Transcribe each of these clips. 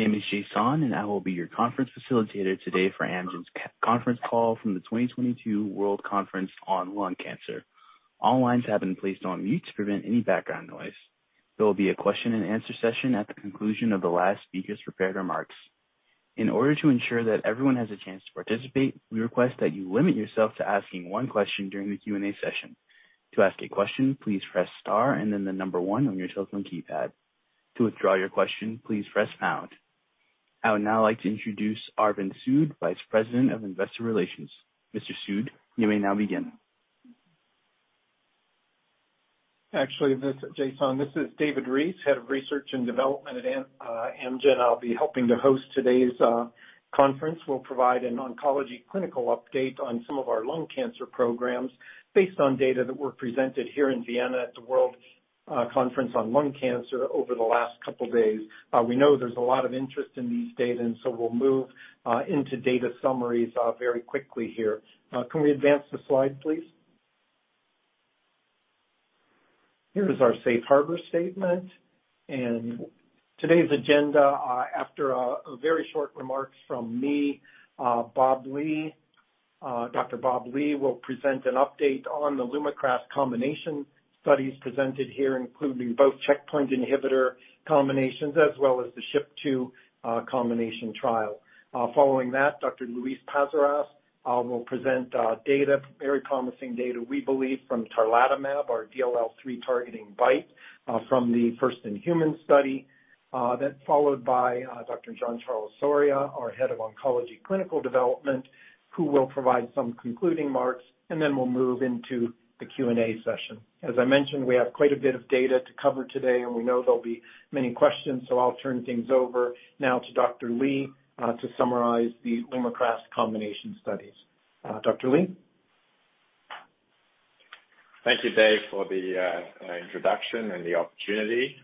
My name is Jason, and I will be your conference facilitator today for Amgen's conference call from the 2022 World Conference on Lung Cancer. All lines have been placed on mute to prevent any background noise. There will be a question and answer session at the conclusion of the last speaker's prepared remarks. In order to ensure that everyone has a chance to participate, we request that you limit yourself to asking one question during the Q&A session. To ask a question, please press star and then the number one on your telephone keypad. To withdraw your question, please press pound. I would now like to introduce Arvind Sood, Vice President of Investor Relations. Mr. Sood, you may now begin. Actually, Jason, this is David Reese, Head of Research and Development at Amgen. I'll be helping to host today's conference. We'll provide an oncology clinical update on some of our lung cancer programs based on data that were presented here in Vienna at the World Conference on Lung Cancer over the last couple days. We know there's a lot of interest in these data, and so we'll move into data summaries very quickly here. Can we advance the slide, please? Here is our safe harbor statement and today's agenda. After a very short remarks from me, Dr. Bob Li will present an update on the LUMAKRAS combination studies presented here, including both checkpoint inhibitor combinations as well as the SHP2 combination trial. Following that, Dr. Luis Paz-Ares will present data, very promising data, we believe, from tarlatamab, our DLL3 targeting BiTE, from the first in human study. That's followed by Dr. Jean-Charles Soria, our Head of Oncology Clinical Development, who will provide some concluding remarks, and then we'll move into the Q&A session. As I mentioned, we have quite a bit of data to cover today, and we know there'll be many questions. I'll turn things over now to Dr. Li to summarize the LUMAKRAS combination studies. Dr. Li. Thank you, Dave, for the introduction and the opportunity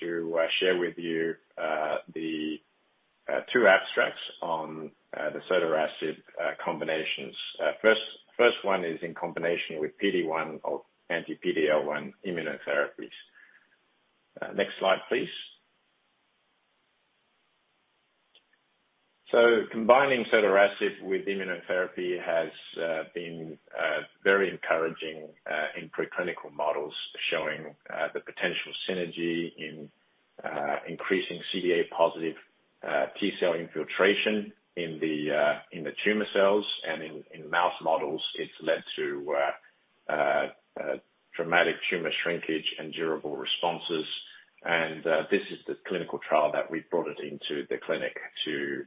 to share with you the two abstracts on the sotorasib combinations. First one is in combination with PD-1 or anti-PD-L1 immunotherapies. Next slide, please. Combining sotorasib with immunotherapy has been very encouraging in preclinical models, showing the potential synergy in increasing CD8+ T-cell infiltration in the tumor cells. In mouse models, it's led to dramatic tumor shrinkage and durable responses. This is the clinical trial that we've brought it into the clinic to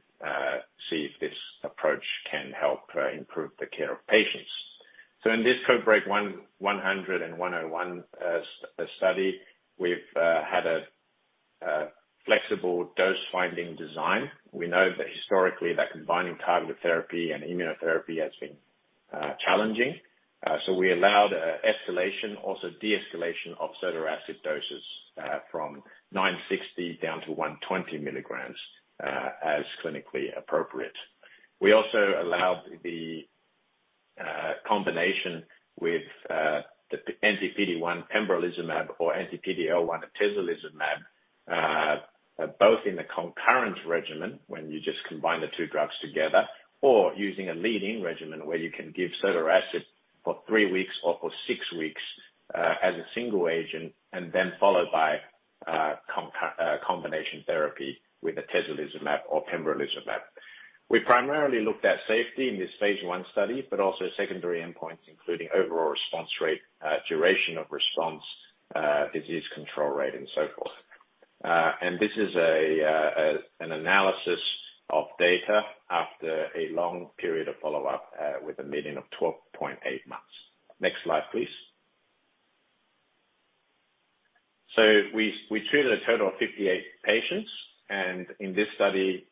see if this approach can help improve the care of patients. In this CodeBreaK 101 study, we've had a flexible dose finding design. We know that historically that combining targeted therapy and immunotherapy has been challenging. We allowed escalation, also de-escalation of sotorasib doses from 960 down to 120 milligrams as clinically appropriate. We also allowed the combination with the anti-PD-1 pembrolizumab or anti-PD-L1 atezolizumab both in the concurrent regimen when you just combine the two drugs together or using a lead-in regimen where you can give sotorasib for three weeks or for six weeks as a single agent and then followed by combination therapy with atezolizumab or pembrolizumab. We primarily looked at safety in this phase I study, but also secondary endpoints, including overall response rate, duration of response, disease control rate and so forth. This is an analysis of data after a long period of follow-up with a median of 12.8 months. Next slide, please. We treated a total of 58 patients, and in this study,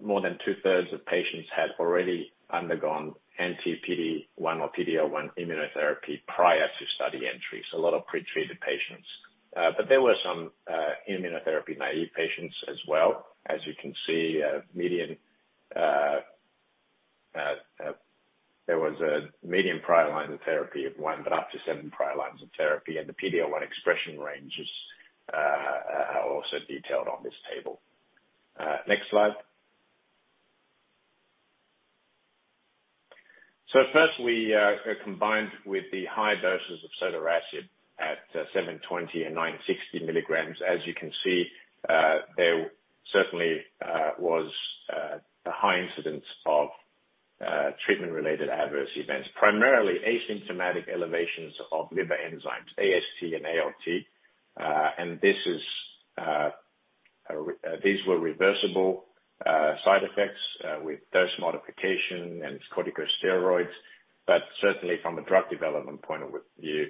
more than two-thirds of patients had already undergone anti-PD-1 or PD-L1 immunotherapy prior to study entry. A lot of pre-treated patients. There were some immunotherapy naïve patients as well. As you can see, there was a median prior lines of therapy of one, but up to seven prior lines of therapy. The PD-L1 expression ranges are also detailed on this table. Next slide. First, we combined with the high doses of sotorasib at 720 and 960 milligrams. As you can see, there certainly was a high incidence of treatment-related adverse events, primarily asymptomatic elevations of liver enzymes, AST and ALT. These were reversible side effects with dose modification and corticosteroids. Certainly from a drug development point of view,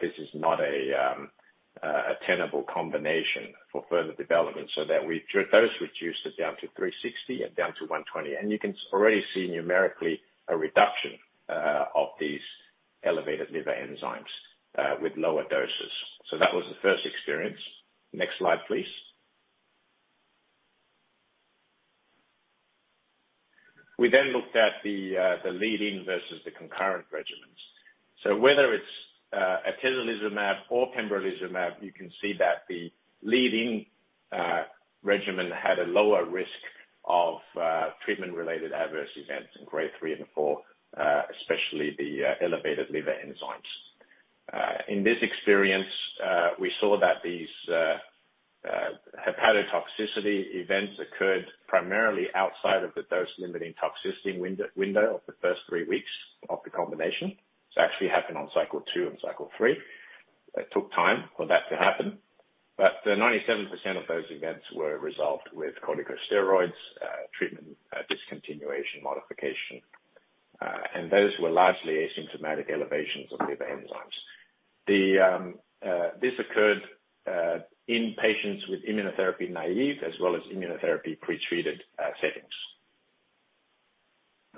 this is not a tenable combination for further development. We dose reduced it down to 360 and down to 120. You can already see numerically a reduction of these elevated liver enzymes with lower doses. That was the first experience. Next slide, please. We looked at the lead-in versus the concurrent regimens. Whether it's atezolizumab or pembrolizumab, you can see that the lead-in regimen had a lower risk of treatment-related adverse events in Grade 3 and 4, especially the elevated liver enzymes. In this experience, we saw that these hepatotoxicity events occurred primarily outside of the dose-limiting toxicity window of the first three weeks of the combination. This actually happened on cycle 2 and cycle 3. It took time for that to happen, but 97% of those events were resolved with corticosteroids, treatment discontinuation modification. Those were largely asymptomatic elevations of liver enzymes. This occurred in patients with immunotherapy-naïve as well as immunotherapy pre-treated settings.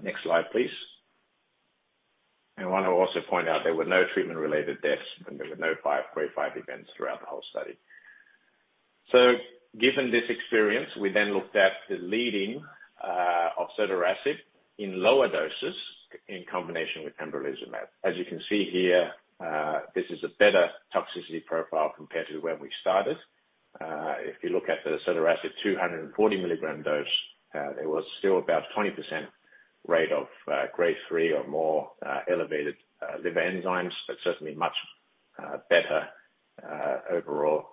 Next slide, please. I want to also point out there were no treatment-related deaths, and there were no Grade 5 events throughout the whole study. Given this experience, we looked at the loading of sotorasib in lower doses in combination with pembrolizumab. As you can see here, this is a better toxicity profile compared to where we started. If you look at the sotorasib 240 mg dose, there was still about 20% rate of Grade 3 or more elevated liver enzymes, but certainly much better overall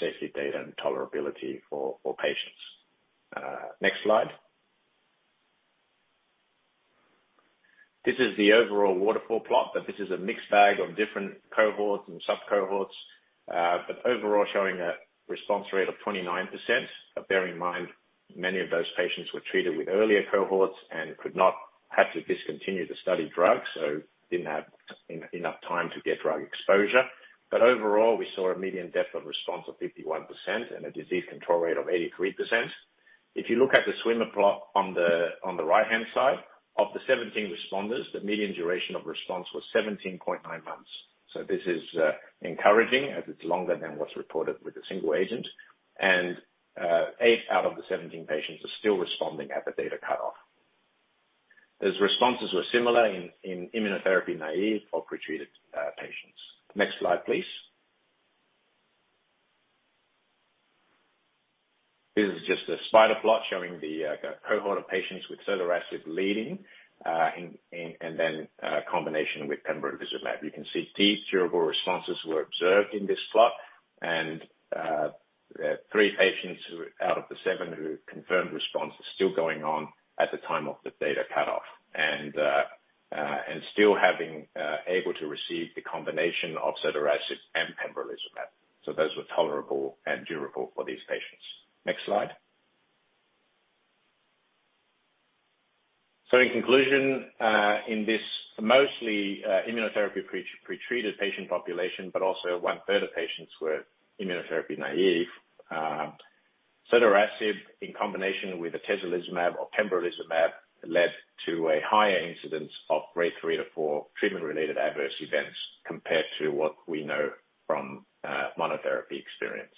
safety data and tolerability for patients. Next slide. This is the overall waterfall plot, but this is a mixed bag of different cohorts and sub-cohorts. Overall showing a response rate of 29%. Bear in mind, many of those patients were treated with earlier cohorts and had to discontinue the study drug, so didn't have enough time to get drug exposure. Overall, we saw a median depth of response of 51% and a disease control rate of 83%. If you look at the swim plot on the right-hand side. Of the 17 responders, the median duration of response was 17.9 months. This is encouraging as it's longer than what's reported with a single agent. Eight out of the 17 patients are still responding at the data cutoff. Those responses were similar in immunotherapy-naïve or pre-treated patients. Next slide, please. This is just a spider plot showing the cohort of patients with sotorasib leading and then combination with pembrolizumab. You can see deep durable responses were observed in this plot. Three patients who out of the seven who confirmed response is still going on at the time of the data cutoff and still having able to receive the combination of sotorasib and pembrolizumab. Those were tolerable and durable for these patients. Next slide. In conclusion, in this mostly immunotherapy pre-treated patient population, but also one-third of patients were immunotherapy-naïve, sotorasib in combination with atezolizumab or pembrolizumab led to a higher incidence of Grade 3-4 treatment-related adverse events compared to what we know from monotherapy experience.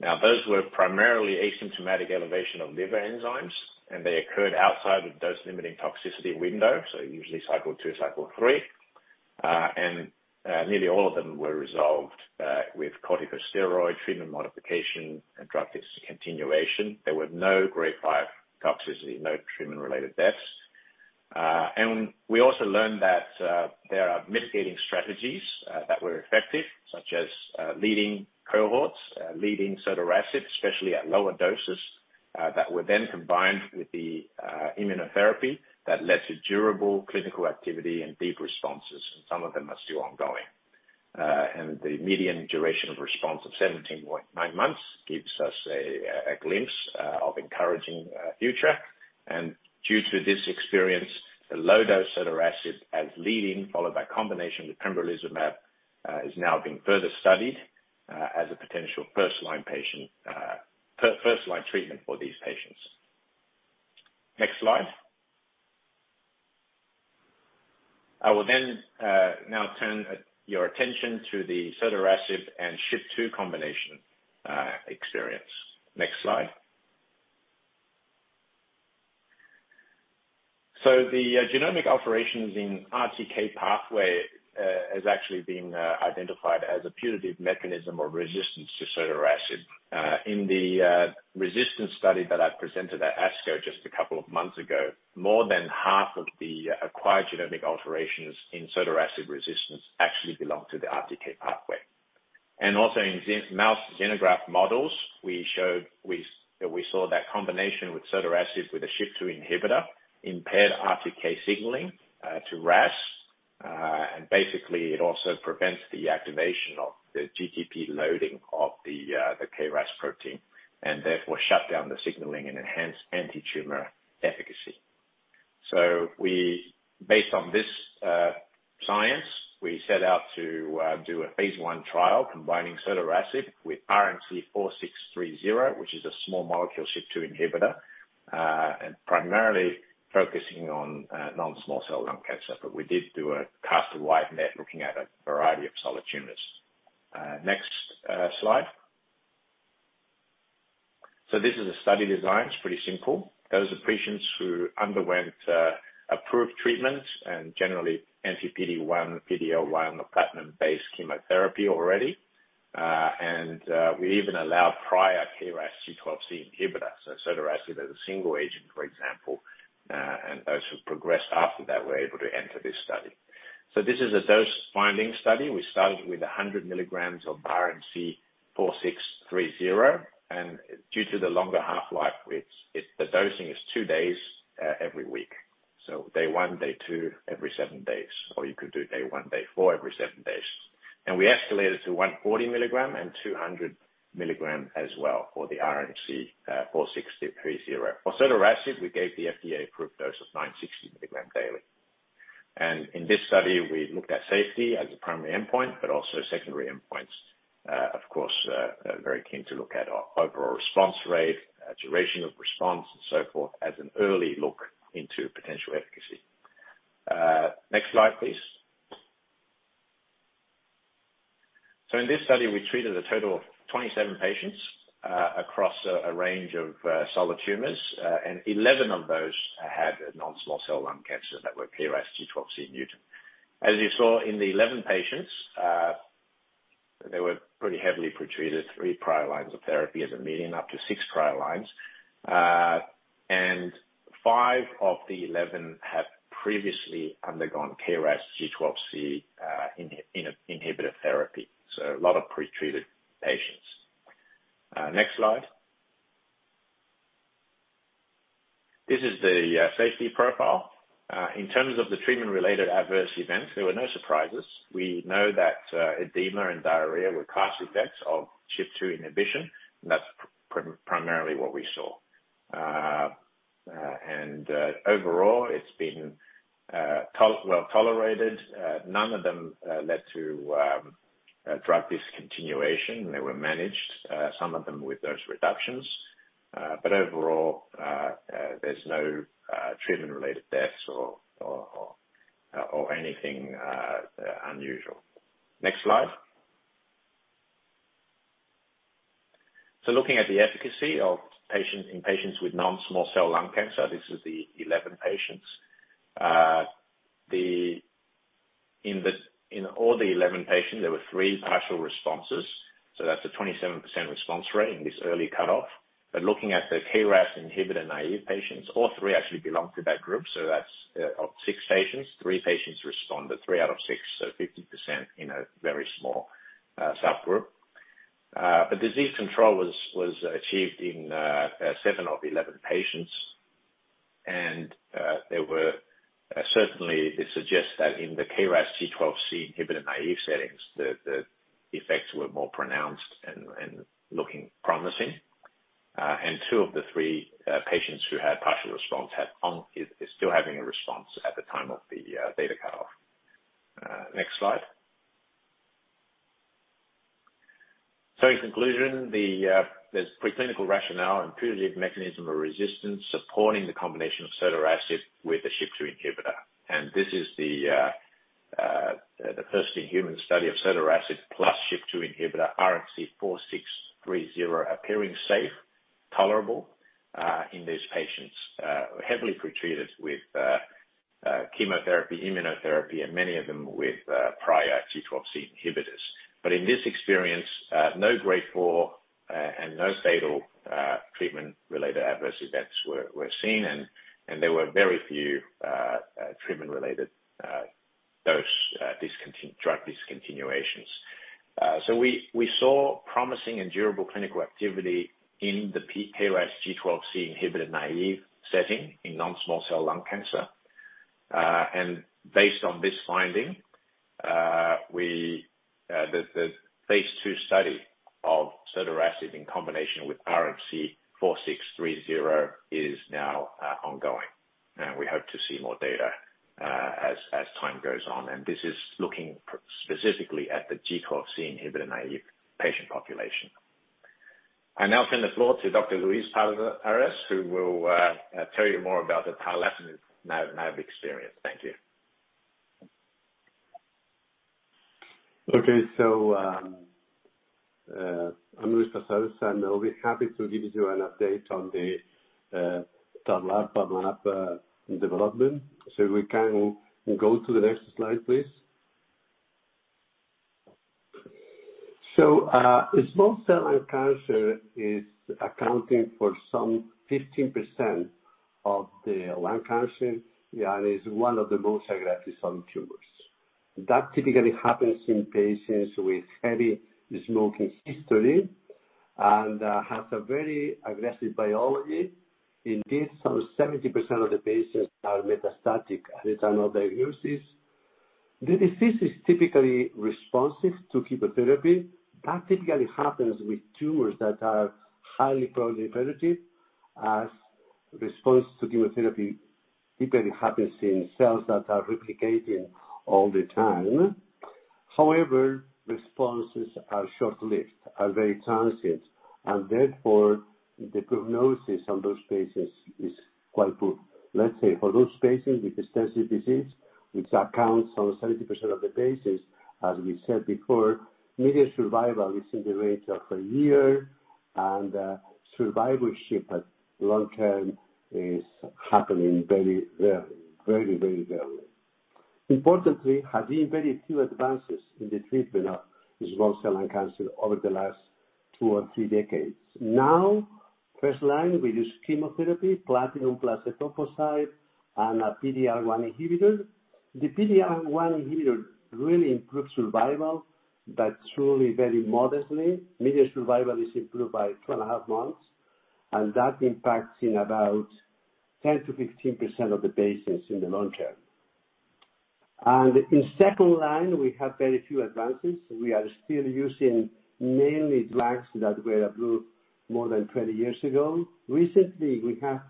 Now, those were primarily asymptomatic elevation of liver enzymes, and they occurred outside of dose-limiting toxicity window, so usually Cycle 2, Cycle 3. Nearly all of them were resolved with corticosteroid treatment modification and drug discontinuation. There were no Grade 5 toxicity, no treatment related deaths. We also learned that there are mitigating strategies that were effective, such as lead-in cohorts, lead-in sotorasib, especially at lower doses, that were then combined with the immunotherapy that led to durable clinical activity and deep responses, and some of them are still ongoing. The median duration of response of 17.9 months gives us a glimpse of encouraging future. Due to this experience, the low-dose sotorasib as lead-in, followed by combination with pembrolizumab, is now being further studied as a potential first-line treatment for these patients. Next slide. I will now turn your attention to the sotorasib and SHP2 combination experience. Next slide. The genomic alterations in RTK pathway have actually been identified as a putative mechanism of resistance to sotorasib. In the resistance study that I presented at ASCO just a couple of months ago, more than half of the acquired genomic alterations in sotorasib resistance actually belong to the RTK pathway. Also in mouse xenograft models, we saw that combination with sotorasib with a SHP2 inhibitor impaired RTK signaling to RAS. Basically, it also prevents the activation of the GTP loading of the KRAS protein and therefore shut down the signaling and enhance antitumor efficacy. Based on this science, we set out to do a phase I trial combining sotorasib with RMC-4630, which is a small molecule SHP2 inhibitor, and primarily focusing on non-small cell lung cancer. We cast a wide net looking at a variety of solid tumors. Next, slide. This is a study design. It's pretty simple. Those are patients who underwent approved treatment and generally anti PD-1, PD-L1 or platinum-based chemotherapy already. We even allowed prior KRAS G12C inhibitors. Sotorasib as a single agent, for example, and those who progressed after that were able to enter this study. This is a dose-finding study. We started with 100 milligrams of RMC-4630. Due to the longer half-life, the dosing is two days every week. Day one, day two, every seven days. Or you could do day one, day four, every seven days. We escalated to 140 milligram and 200 milligram as well for the RMC-4630. For sotorasib, we gave the FDA-approved dose of 960 milligram daily. In this study we looked at safety as a primary endpoint, but also secondary endpoints. Of course, very keen to look at our overall response rate, duration of response and so forth as an early look into potential efficacy. Next slide please. In this study, we treated a total of 27 patients, across a range of solid tumors. Eleven of those had non-small cell lung cancer that were KRAS G12C mutant. As you saw in the 11 patients, they were pretty heavily pretreated, three prior lines of therapy as a median, up to six prior lines. Five of the 11 had previously undergone KRAS G12C inhibitor therapy, so a lot of pretreated patients. Next slide. This is the safety profile. In terms of the treatment-related adverse events, there were no surprises. We know that edema and diarrhea were adverse effects of SHP2 inhibition, and that's primarily what we saw. Overall it's been well tolerated. None of them led to drug discontinuation. They were managed, some of them with dose reductions. Overall, there's no treatment-related deaths or anything unusual. Next slide. Looking at the efficacy in patients with non-small cell lung cancer, this is the 11 patients. In all the 11 patients, there were three partial responses, so that's a 27% response rate in this early cutoff. Looking at the KRAS inhibitor-naïve patients, all three actually belong to that group, so that's of six patients, three patients responded. Three out of six, so 50% in a very small subgroup. Disease control was achieved in seven of 11 patients. Certainly this suggests that in the KRAS G12C inhibitor-naïve settings, the effects were more pronounced and looking promising. Two of the three patients who had partial response is still having a response at the time of the data cutoff. Next slide. In conclusion, there's preclinical rationale and pre-existing mechanism of resistance supporting the combination of sotorasib with the SHP-2 inhibitor. This is the first-in-human study of sotorasib plus SHP-2 inhibitor RMC-4630 appearing safe, tolerable, in these patients heavily pretreated with chemotherapy, immunotherapy and many of them with prior G12C inhibitors. In this experience, no grade four and no fatal treatment-related adverse events were seen and there were very few treatment-related drug discontinuations. We saw promising and durable clinical activity in the KRAS G12C inhibitor-naïve setting in non-small cell lung cancer. Based on this finding, the phase II study of sotorasib in combination with RMC-4630 is now ongoing. We hope to see more data as time goes on. This is looking specifically at the G12C inhibitor-naïve patient population. I now turn the floor to Dr. Luis Paz-Ares, who will tell you more about the tarlatamab experience. Thank you. Okay. I'm Luis Paz-Ares, and I'll be happy to give you an update on the tarlatamab development. We can go to the next slide please. Small cell lung cancer is accounting for some 15% of the lung cancer and is one of the most aggressive solid tumors. That typically happens in patients with heavy smoking history and has a very aggressive biology. Indeed, some 70% of the patients are metastatic at the time of diagnosis. The disease is typically responsive to chemotherapy. That typically happens with tumors that are highly proliferative, as response to chemotherapy typically happens in cells that are replicating all the time. However, responses are short-lived, are very transient and therefore the prognosis on those cases is quite good. Let's say for those cases with extensive disease, which accounts almost 70% of the cases, as we said before, median survival is in the range of a year and survivorship at long-term is happening very rarely, very, very rarely. Importantly, have been very few advances in the treatment of small cell lung cancer over the last two or three decades. Now, first line we use chemotherapy, platinum plus etoposide, and a PD-L1 inhibitor. The PD-L1 inhibitor really improves survival, but truly very modestly. Median survival is improved by 2.5 months, and that impacts in about 10%-15% of the patients in the long term. In second line we have very few advances. We are still using mainly drugs that were approved more than 20 years ago. Recently, we have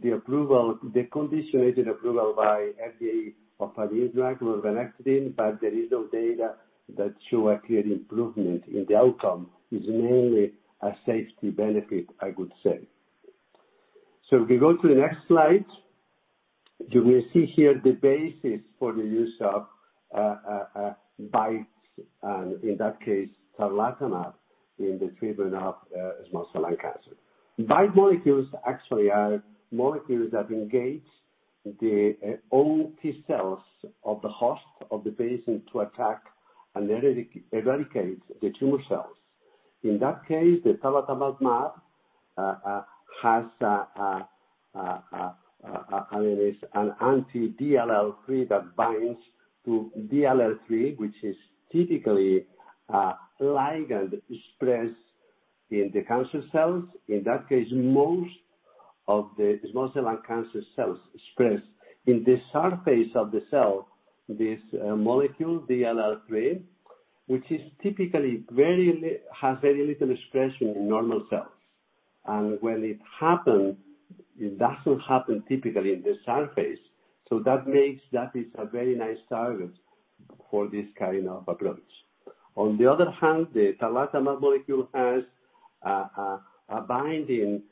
the approval, the conditional approval by FDA of a new drug, lurbinectedin, but there is no data that show a clear improvement in the outcome. It's mainly a safety benefit, I would say. If we go to the next slide, you will see here the basis for the use of BiTE. In that case, tarlatamab in the treatment of small cell lung cancer. BiTE molecules actually are molecules that engage the own T-cells of the host, of the patient to attack and eradicate the tumor cells. In that case, the tarlatamab has a how do I say? An anti-DLL3 that binds to DLL3, which is typically a ligand expressed in the cancer cells. In that case, most of the small cell lung cancer cells express in the surface of the cell this molecule DLL3, which is typically has very little expression in normal cells. When it happens, it doesn't happen typically in the surface. That makes that is a very nice target for this kind of approach. On the other hand, the tarlatamab molecule has a binding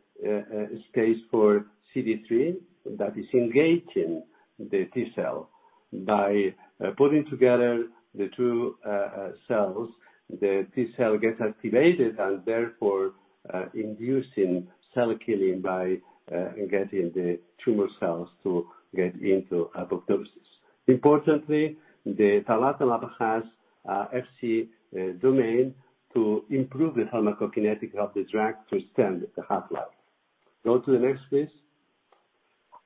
space for CD3 that is engaging the T-cell. By putting together the two cells, the T-cell gets activated and therefore inducing cell killing by engaging the tumor cells to get into apoptosis. Importantly, the tarlatamab has a Fc domain to improve the pharmacokinetic of the drug to extend the half-life. Go to the next, please.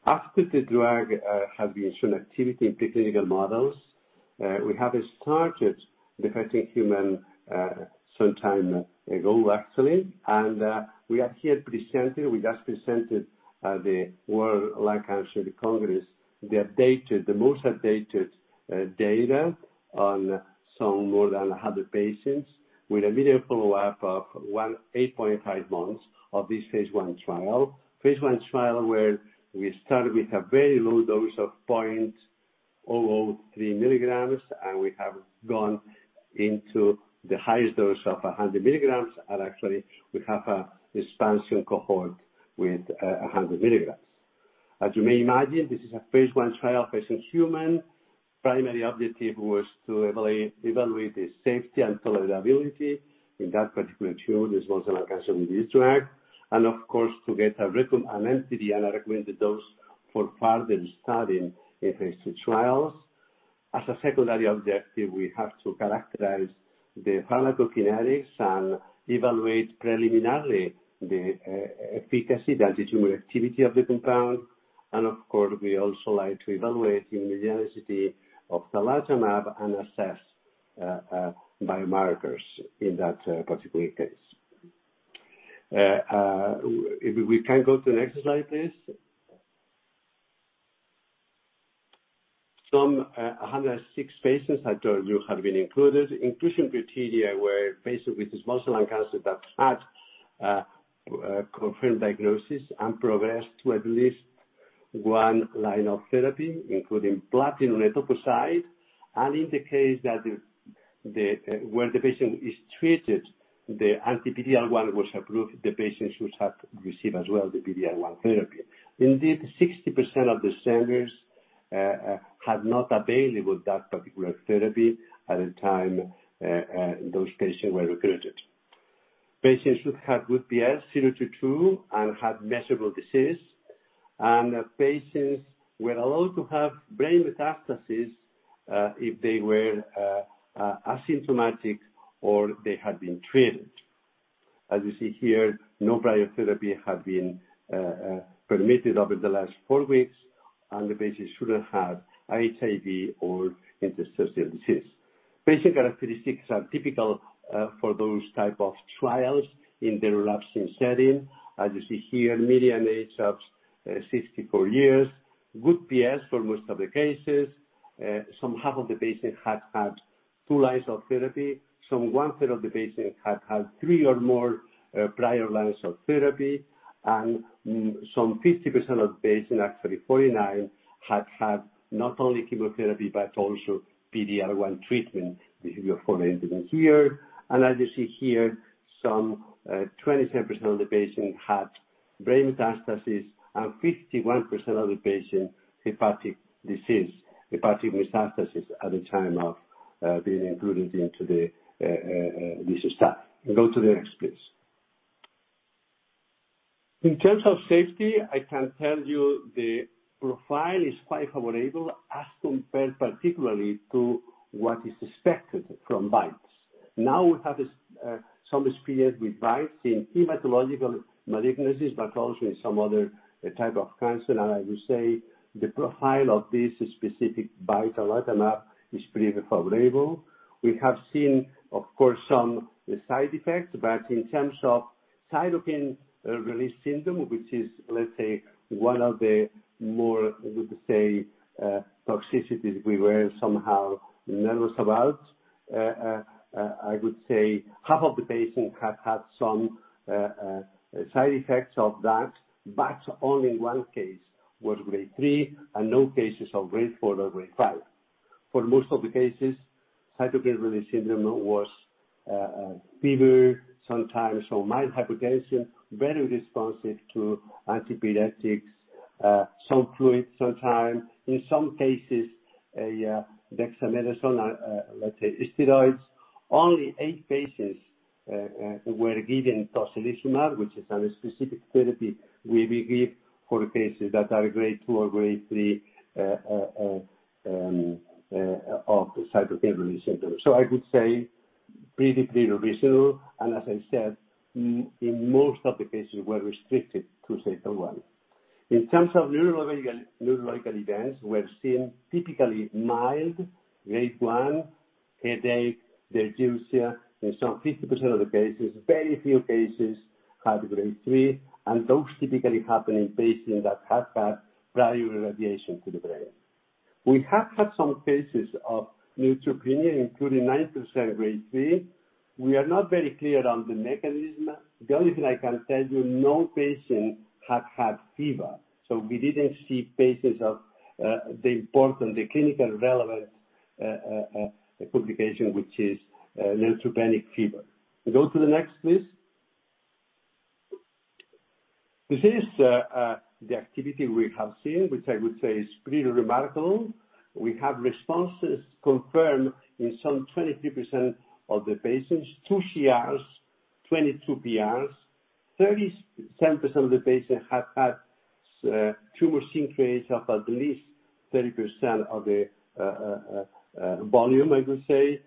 After the drug has been shown activity in preclinical models, we have started the first-in-human some time ago actually. We just presented at the World Conference on Lung Cancer the most updated data on more than 100 patients with a median follow-up of 8.5 months of this phase I trial. Phase I trial where we started with a very low dose of 0.003 milligrams, and we have gone into the highest dose of 100 milligrams. Actually we have an expansion cohort with 100 milligrams. As you may imagine, this is a phase I trial first-in-human. Primary objective was to evaluate the safety and tolerability in that particular tumor, the small cell lung cancer with this drug. Of course, to get an MTD and a recommended dose for further study in phase II trials. As a secondary objective, we have to characterize the pharmacokinetics and evaluate preliminarily the efficacy, the antitumor activity of the compound. Of course, we also like to evaluate immunogenicity of tarlatamab and assess biomarkers in that particular case. If we can go to the next slide, please. 106 patients I told you have been included. Inclusion criteria were patients with small cell lung cancer that had confirmed diagnosis and progressed to at least one line of therapy, including platinum or etoposide. In the case that when the patient is treated, the anti-PD-L1 was approved, the patients should have received as well the PD-L1 therapy. Indeed, 60% of the centers had not available that particular therapy at the time those patients were recruited. Patients should have good PS, 0-2, and have measurable disease. Patients were allowed to have brain metastases if they were asymptomatic or they had been treated. As you see here, no prior therapy had been permitted over the last four weeks, and the patients shouldn't have HIV or interstitial disease. Basic characteristics are typical for those type of trials in the relapsing setting. As you see here, median age of 64 years, good PS for most of the cases. Some half of the patients had two lines of therapy. Some one third of the patients had three or more prior lines of therapy. Some 50% of patients, actually 49, had not only chemotherapy, but also PD-L1 treatment, which you have found evidence here. As you see here, some 27% of the patients had brain metastases and 51% of the patients hepatic disease, hepatic metastases at the time of being included into this study. Go to the next, please. In terms of safety, I can tell you the profile is quite favorable as compared particularly to what is expected from BiTEs. Now we have some experience with BiTEs in hematological malignancies, but also in some other type of cancer. I would say the profile of this specific BiTE, tarlatamab, is pretty favorable. We have seen, of course, some side effects, but in terms of cytokine release syndrome, which is, let's say, one of the more, we could say, toxicities we were somehow nervous about. I would say half of the patients have had some side effects of that, but only one case was Grade 3 and no cases of Grade 4 or Grade 5. For most of the cases, cytokine release syndrome was fever, sometimes some mild hypotension, very responsive to antipyretics, some fluids sometimes, in some cases a dexamethasone or, let's say, steroids. Only eight patients were given tocilizumab, which is a specific therapy we will give for cases that are grade two or grade three of cytokine release syndrome. I would say pretty reasonable, and as I said, in most of the cases were restricted to day 1. In terms of neurological events, we have seen typically mild Grade 1 headache, dysgeusia in some 50% of the cases. Very few cases had Grade 3, and those typically happen in patients that have had prior irradiation to the brain. We have had some cases of neutropenia, including 9% Grade 3. We are not very clear on the mechanism. The only thing I can tell you, no patient have had fever, so we didn't see cases of the important clinically relevant complication, which is neutropenic fever. Go to the next, please. This is the activity we have seen, which I would say is pretty remarkable. We have responses confirmed in some 23% of the patients, two CRs, 22 PRs. 37% of the patients have had tumor shrink rate of at least 30% of the volume I could say.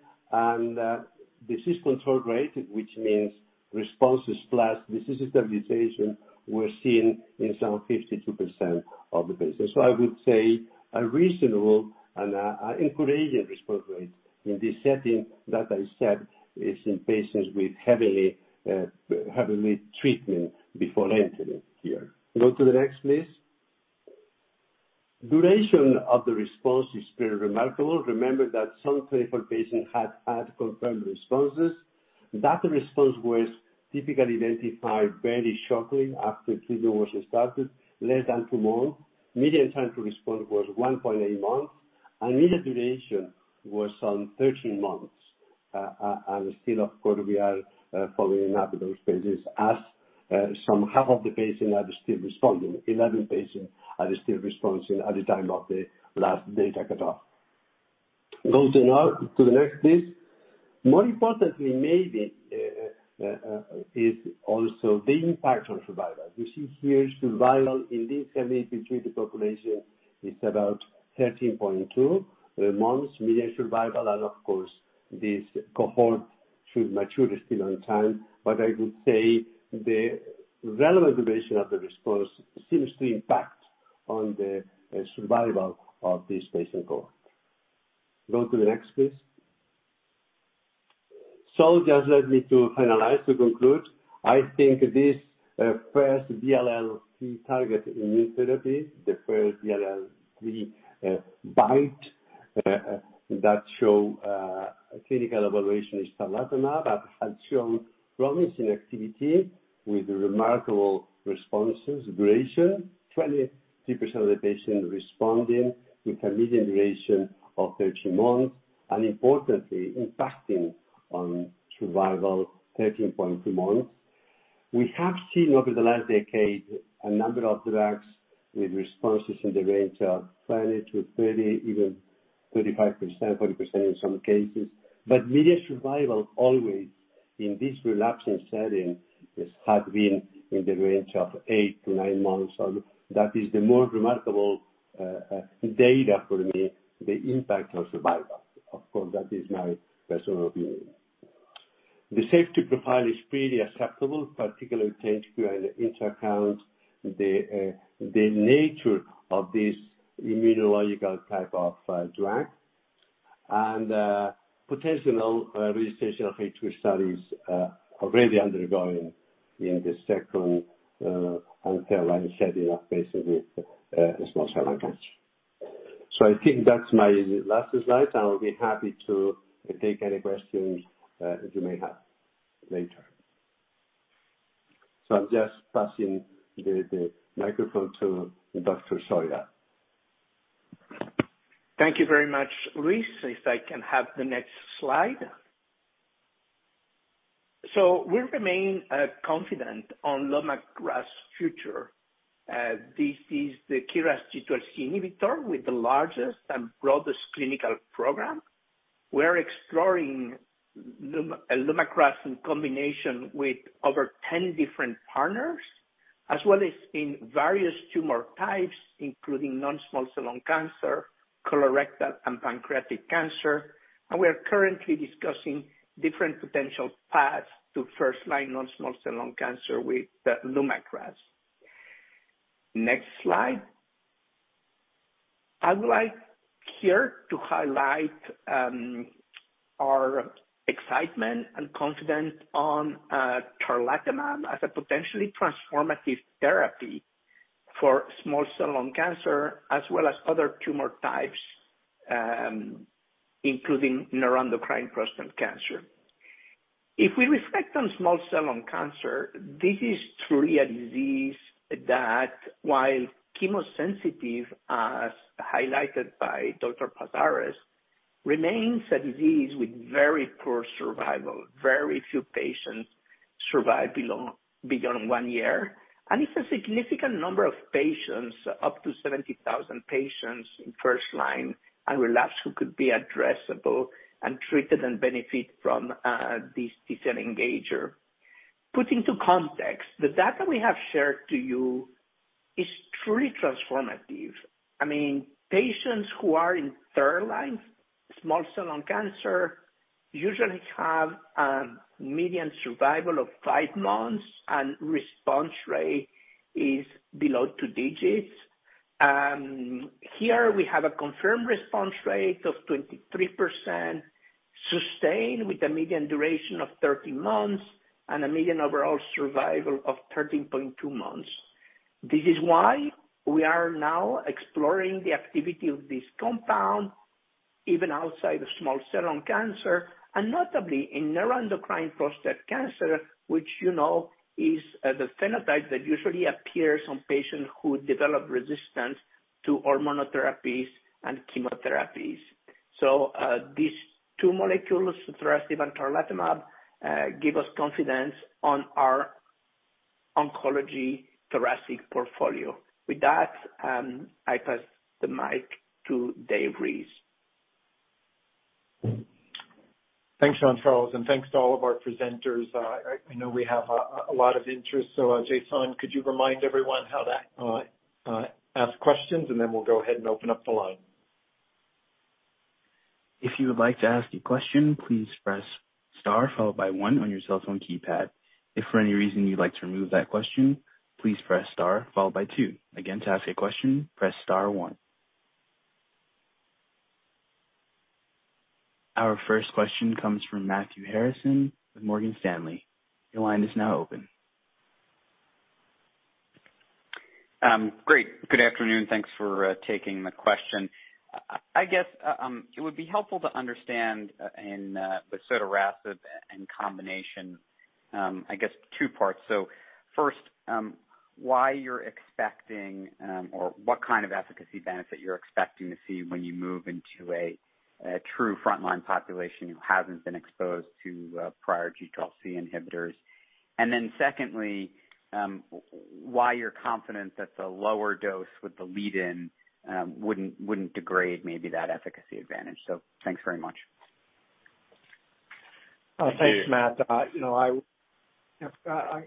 Disease control rate, which means responses plus disease stabilization, we're seeing in some 52% of the patients. I would say a reasonable and encouraging response rate in this setting that I said is in patients with heavily treatment before entering here. Go to the next, please. Duration of the response is pretty remarkable. Remember that some clinical patients had confirmed responses. That response was typically identified very shortly after treatment was started, less than two months. Median time to respond was 1.8 months, and median duration was some 13 months. Still of course we are following up those patients as some half of the patients are still responding. 11 patients are still responding at the time of the last data cutoff. Go to the next, please. More importantly, maybe, is also the impact on survival. You see here survival in this heavily pre-treated population is about 13.2 months median survival. Of course, this cohort should mature still on time. I would say the relevant duration of the response seems to impact on the survival of this patient cohort. Go to the next, please. Just let me to finalize, to conclude. I think this first DLL3 target immune therapy, the first DLL3 BiTE that shows clinical evaluation is tarlatamab but has shown promising activity with remarkable responses duration. 23% of the patients responding with a median duration of 13 months, and importantly, impacting on survival 13.2 months. We have seen over the last decade a number of drugs with responses in the range of 20-30, even 35%, 40% in some cases, but median survival always in this relapsing setting had been in the range of 8-9 months, and that is the more remarkable data for me, the impact on survival. Of course, that is my personal view. The safety profile is pretty acceptable, particularly taking into account the nature of this immunological type of drug. Potential registration of H2 studies are already undergoing in the second-line setting basically for small cell lung cancer. I think that's my last slide. I will be happy to take any questions you may have later. I'm just passing the microphone to Dr. Soria. Thank you very much, Luis Paz-Ares. If I can have the next slide. We remain confident on LUMAKRAS future. This is the KRAS G12C inhibitor with the largest and broadest clinical program. We're exploring LUMAKRAS in combination with over 10 different partners, as well as in various tumor types, including non-small cell lung cancer, colorectal, and pancreatic cancer. We are currently discussing different potential paths to first-line non-small cell lung cancer with the LUMAKRAS. Next slide. I would like here to highlight our excitement and confidence on tarlatamab as a potentially transformative therapy for small cell lung cancer as well as other tumor types, including neuroendocrine prostate cancer. If we reflect on small cell lung cancer, this is truly a disease that while chemosensitive, as highlighted by Dr. Paz-Ares, remains a disease with very poor survival. Very few patients survive beyond one year. It's a significant number of patients, up to 70,000 patients in first line and relapse who could be addressable and treated and benefit from this T-cell engager. Put into context, the data we have shared to you is truly transformative. I mean, patients who are in third line small cell lung cancer usually have median survival of five months and response rate is below two digits. Here we have a confirmed response rate of 23%, sustained with a median duration of 13 months and a median overall survival of 13.2 months. This is why we are now exploring the activity of this compound even outside of small cell lung cancer and notably in neuroendocrine prostate cancer, which, you know, is the phenotype that usually appears on patients who develop resistance to hormonal therapies and chemotherapies. these two molecules, sotorasib and tarlatamab, give us confidence on our oncology thoracic portfolio. With that, I pass the mic to David Reese. Thanks, Jean-Charles, and thanks to all of our presenters. I know we have a lot of interest. Jason, could you remind everyone how to ask questions and then we'll go ahead and open up the line. If you would like to ask a question, please press star followed by one on your cell phone keypad. If for any reason you'd like to remove that question, please press Star followed by two. Again, to ask a question, press star one. Our first question comes from Matthew Harrison with Morgan Stanley. Your line is now open. Great. Good afternoon. Thanks for taking the question. I guess it would be helpful to understand with sotorasib in combination, I guess two parts. First, why you're expecting or what kind of efficacy benefit you're expecting to see when you move into a true frontline population who hasn't been exposed to prior G12C inhibitors. Then secondly, why you're confident that the lower dose with the lead-in wouldn't degrade maybe that efficacy advantage. Thanks very much. Thanks, Matt. You know,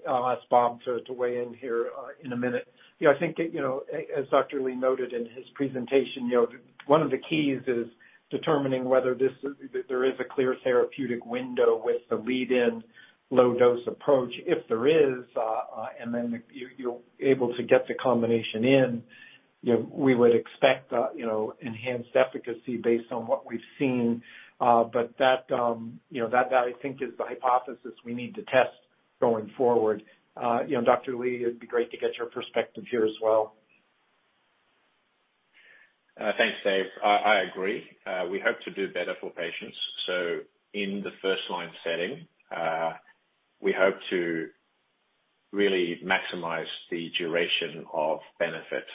I'll ask Bob to weigh in here in a minute. You know, I think, you know, Dr. Li noted in his presentation, you know, one of the keys is determining whether there is a clear therapeutic window with the lead-in low dose approach. If there is, and then if you're able to get the combination in, you know, we would expect, you know, enhanced efficacy based on what we've seen. That, you know, that I think is the hypothesis we need to test going forward. You know, Dr. Li, it'd be great to get your perspective here as well. Thanks, Dave. I agree. We hope to do better for patients. In the first-line setting, we hope to really maximize the duration of benefit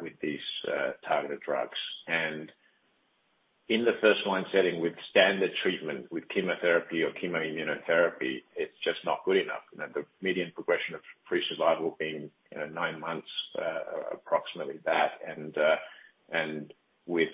with these targeted drugs. In the first-line setting with standard treatment with chemotherapy or chemoimmunotherapy, it's just not good enough. You know, the median progression-free survival being, you know, nine months, approximately that. With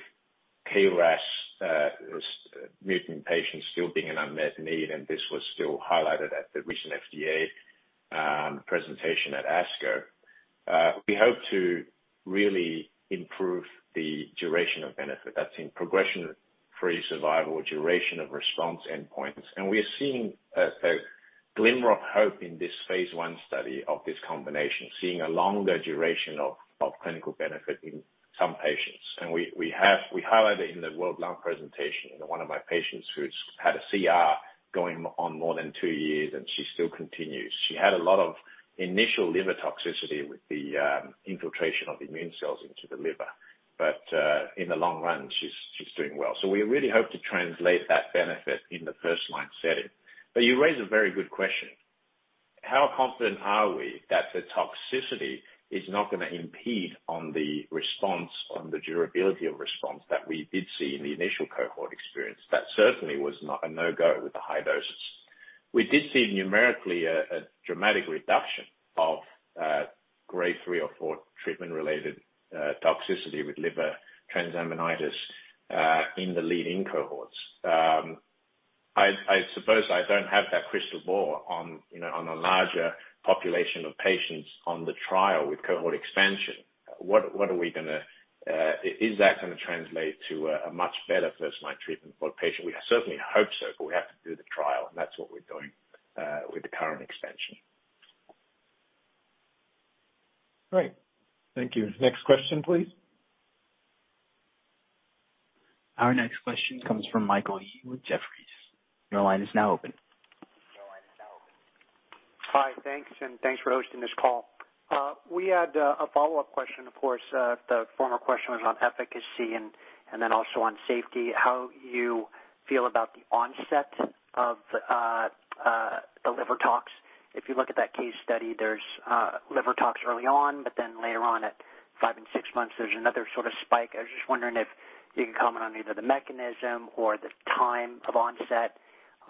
KRAS G12C-mutant patients still being an unmet need, and this was still highlighted at the recent FDA presentation at ASCO, we hope to really improve the duration of benefit. That's in progression-free survival, duration of response endpoints. We are seeing a glimmer of hope in this phase I study of this combination, seeing a longer duration of clinical benefit in some patients. We highlighted in the World Conference on Lung Cancer presentation, one of my patients who's had a CR going on more than two years, and she still continues. She had a lot of initial liver toxicity with the infiltration of immune cells into the liver. In the long run, she's doing well. We really hope to translate that benefit in the first line setting. You raise a very good question. How confident are we that the toxicity is not gonna impede on the response, on the durability of response that we did see in the initial cohort experience? That certainly was not a no-go with the high doses. We did see numerically a dramatic reduction of grade three or four treatment-related toxicity with liver transaminitis in the lead-in cohorts. I suppose I don't have that crystal ball on a larger population of patients on the trial with cohort expansion. What are we gonna? Is that gonna translate to a much better first-line treatment for the patient? We certainly hope so, but we have to do the trial, and that's what we're doing with the current expansion. Great. Thank you. Next question, please. Our next question comes from Michael Yee with Jefferies. Your line is now open. Hi. Thanks, and thanks for hosting this call. We had a follow-up question. Of course, the former question was on efficacy and then also on safety, how you feel about the onset of the liver tox? If you look at that case study, there's liver tox early on, but then later on at five and six months, there's another sort of spike. I was just wondering if you could comment on either the mechanism or the time of onset.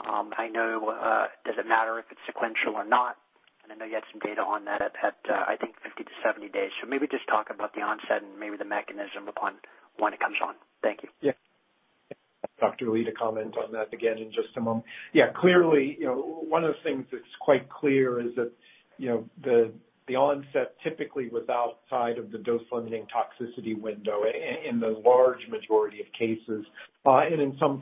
I know, does it matter if it's sequential or not? And I know you had some data on that at, I think 50-70 days. So maybe just talk about the onset and maybe the mechanism upon when it comes on. Thank you. Yeah. Dr. Li to comment on that again in just a moment. Yeah. Clearly, you know, one of the things that's quite clear is that, you know, the onset typically was outside of the dose-limiting toxicity window in the large majority of cases, and in some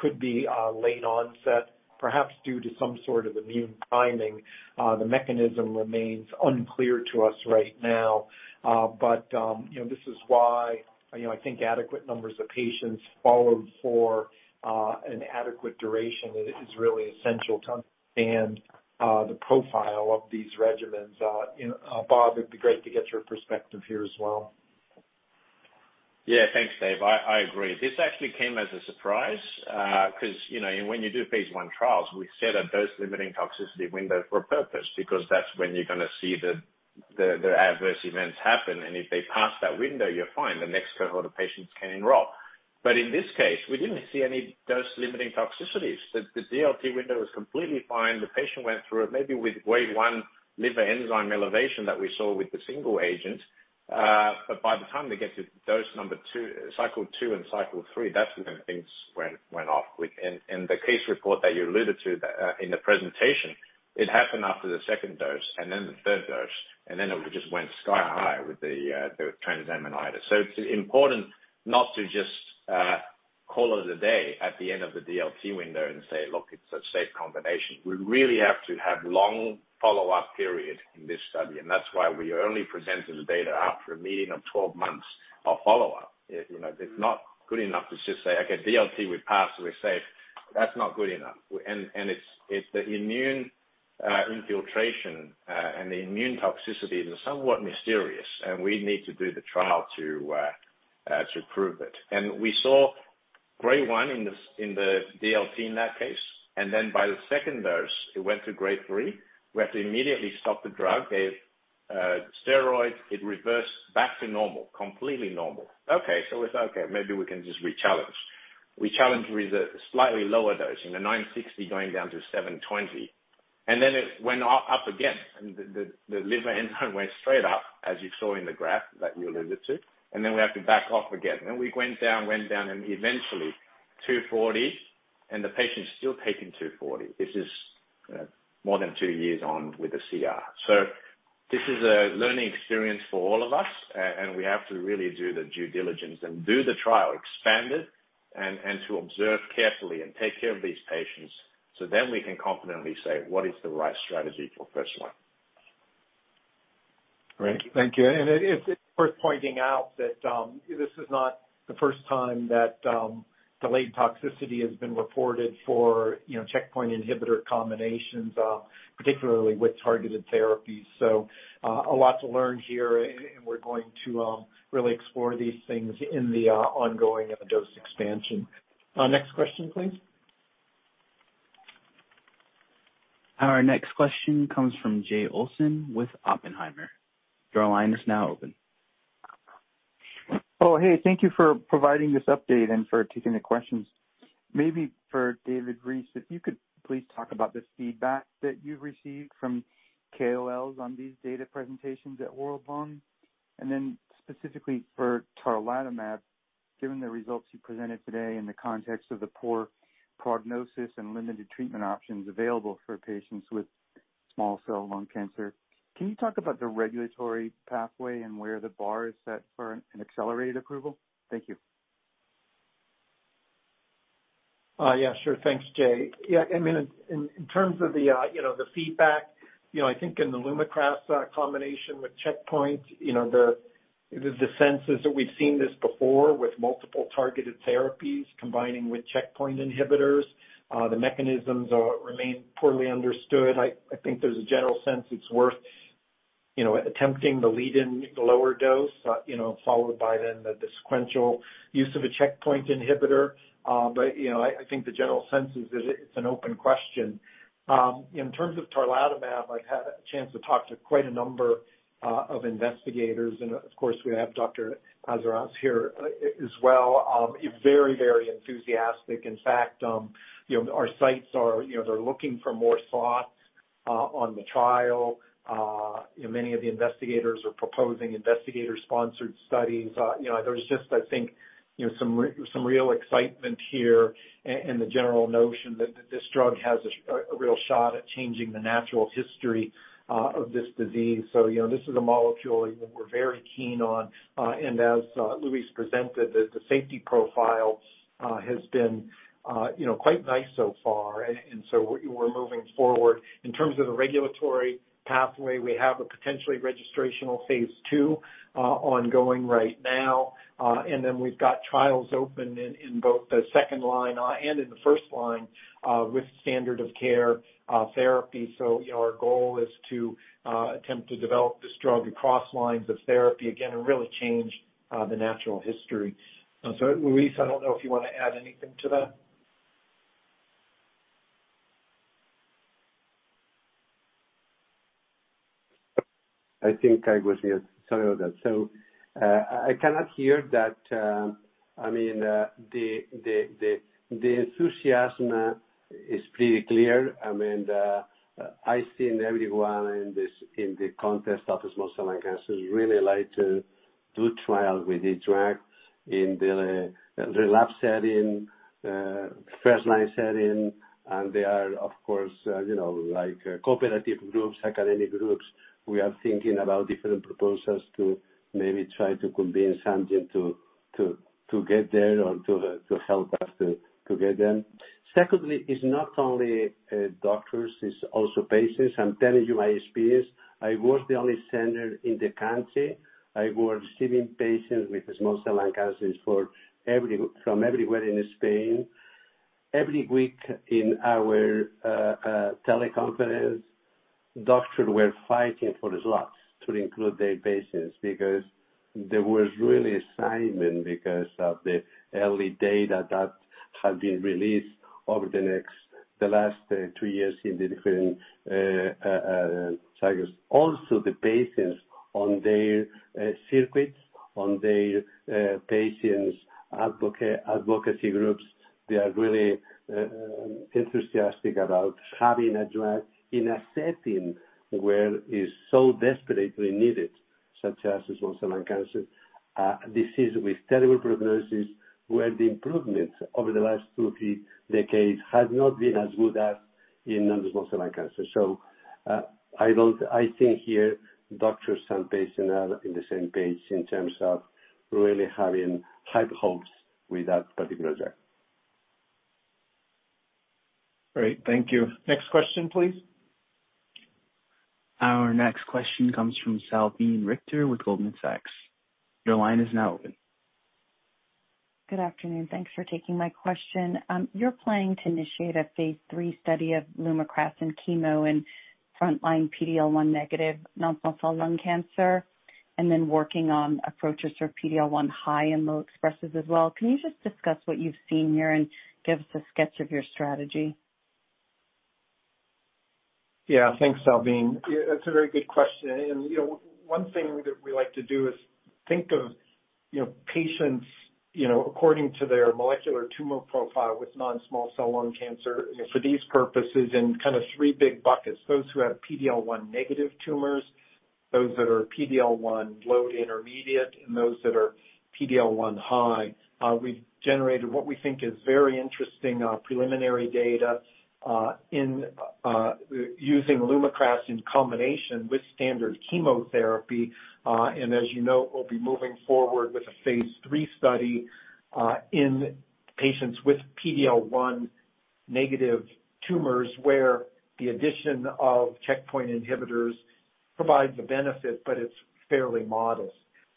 case could be late onset, perhaps due to some sort of immune timing. The mechanism remains unclear to us right now. You know, this is why, you know, I think adequate numbers of patients followed for an adequate duration is really essential to understand the profile of these regimens. You know, Bob Li, it'd be great to get your perspective here as well. Yeah. Thanks, Dave. I agree. This actually came as a surprise, 'cause, you know, when you do phase I trials, we set a dose-limiting toxicity window for a purpose because that's when you're gonna see the adverse events happen. If they pass that window, you're fine. The next cohort of patients can enroll. In this case, we didn't see any dose-limiting toxicities. The DLT window was completely fine. The patient went through it maybe with grade one liver enzyme elevation that we saw with the single agent. By the time we get to dose number two, cycle two and cycle three, that's when things went off with The case report that you alluded to in the presentation, it happened after the second dose and then the third dose, and then it just went sky high with the transaminitis. It's important not to just call it a day at the end of the DLT window and say, "Look, it's a safe combination." We really have to have long follow-up period in this study, and that's why we are only presenting the data after a median of 12 months of follow-up. You know, it's not good enough to just say, "Okay, DLT, we passed, we're safe." That's not good enough. It's the immune infiltration and the immune toxicities are somewhat mysterious, and we need to do the trial to prove it. We saw grade one in the DLT in that case, and then by the second dose it went to grade three. We had to immediately stop the drug, gave steroids. It reversed back to normal, completely normal. Okay, so we thought, "Okay, maybe we can just re-challenge." Re-challenge with a slightly lower dose, you know, 960 going down to 720, and then it went up again. The liver enzyme went straight up as you saw in the graph that you alluded to, and then we have to back off again. We went down, and eventually 240, and the patient's still taking 240. This is more than two years on with the CR. This is a learning experience for all of us, and we have to really do the due diligence and do the trial, expand it, and to observe carefully and take care of these patients so then we can confidently say what is the right strategy for first line. Great. Thank you. It is worth pointing out that this is not the first time that delayed toxicity has been reported for, you know, checkpoint inhibitor combinations, particularly with targeted therapies. A lot to learn here and we're going to really explore these things in the ongoing and the dose expansion. Next question, please. Our next question comes from Jay Olson with Oppenheimer. Your line is now open. Oh, hey. Thank you for providing this update and for taking the questions. Maybe for David Reese, if you could please talk about the feedback that you've received from KOLs on these data presentations at World Lung? Specifically for tarlatamab, given the results you presented today in the context of the poor prognosis and limited treatment options available for patients with small cell lung cancer, can you talk about the regulatory pathway and where the bar is set for an accelerated approval? Thank you. Yeah, sure. Thanks, Jay. Yeah, I mean, in terms of the feedback, you know, I think in the LUMAKRAS combination with checkpoint, you know, the sense is that we've seen this before with multiple targeted therapies combining with checkpoint inhibitors. The mechanisms remain poorly understood. I think there's a general sense it's worth you know attempting the lead in lower dose, you know, followed by then the sequential use of a checkpoint inhibitor. You know, I think the general sense is that it's an open question. In terms of tarlatamab, I've had a chance to talk to quite a number of investigators and of course we have Dr. Luis Paz-Ares here as well, very very enthusiastic. In fact, you know, our sites are, you know, they're looking for more slots on the trial. You know, many of the investigators are proposing investigator-sponsored studies. You know, there's just, I think, you know, some real excitement here and the general notion that this drug has a real shot at changing the natural history of this disease. You know, this is a molecule that we're very keen on. As Luis Paz-Ares presented, the safety profile has been you know, quite nice so far. We're moving forward. In terms of the regulatory pathway, we have a potentially registrational phase II ongoing right now. Then we've got trials open in both the second line and in the first line with standard of care therapy. Our goal is to attempt to develop this drug across lines of therapy again, and really change the natural history. Luis, I don't know if you wanna add anything to that. I think I was just telling that. I can hear that, I mean, the enthusiasm is pretty clear. I mean, I see in everyone in this, in the context of small cell lung cancer really like to do trial with this drug in the relapse setting, first line setting. They are of course, you know, like, cooperative groups, academic groups, we are thinking about different proposals to maybe try to convince Amgen to get there or to help us to get there. Secondly, it's not only doctors, it's also patients. I'm telling you my experience. I was the only center in the country. I was receiving patients with small cell lung cancers from everywhere in Spain. Every week in our teleconference, doctors were fighting for slots to include their patients because there was really excitement because of the early data that had been released over the last two years in the different cycles. Also, the patients and their advocacy groups, they are really enthusiastic about having a drug in a setting where is so desperately needed, such as small cell lung cancer disease with terrible prognosis, where the improvements over the last two or three decades has not been as good as in non-small cell lung cancer. I think here doctors and patients are on the same page in terms of really having high hopes with that particular drug. Great. Thank you. Next question, please. Our next question comes from Salveen Richter with Goldman Sachs. Your line is now open. Good afternoon. Thanks for taking my question. You're planning to initiate a phase III study of LUMAKRAS chemo in frontline PD-L1 negative non-small cell lung cancer, and then working on approaches for PD-L1 high and low expressers as well. Can you just discuss what you've seen here and give us a sketch of your strategy? Yeah. Thanks, Salveen. It's a very good question. You know, one thing that we like to do is think of, you know, patients, you know, according to their molecular tumor profile with non-small cell lung cancer, you know, for these purposes in kind of three big buckets. Those who have PD-L1 negative tumors, those that are PD-L1 low to intermediate, and those that are PD-L1 high. We've generated what we think is very interesting, preliminary data, in, using LUMAKRAS in combination with standard chemotherapy. As you know, we'll be moving forward with a phase III study, in patients with PD-L1 negative tumors, where the addition of checkpoint inhibitors provides a benefit, but it's fairly modest.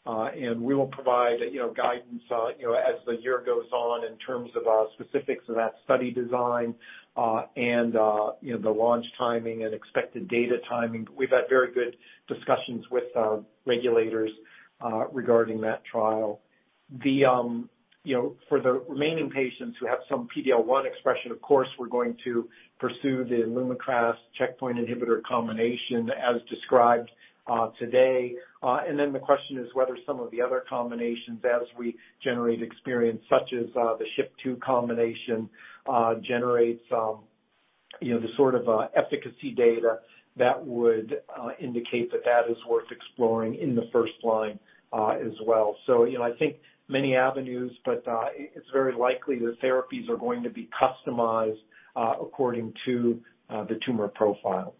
We will provide, you know, guidance, you know, as the year goes on in terms of specifics of that study design, and, you know, the launch timing and expected data timing. We've had very good discussions with regulators regarding that trial. For the remaining patients who have some PD-L1 expression, of course, we're going to pursue the LUMAKRAS checkpoint inhibitor combination as described today. The question is whether some of the other combinations as we generate experience such as the SHP2 combination generates, you know, the sort of efficacy data that would indicate that that is worth exploring in the first line as well. You know, I think many avenues, but it's very likely the therapies are going to be customized according to the tumor profile.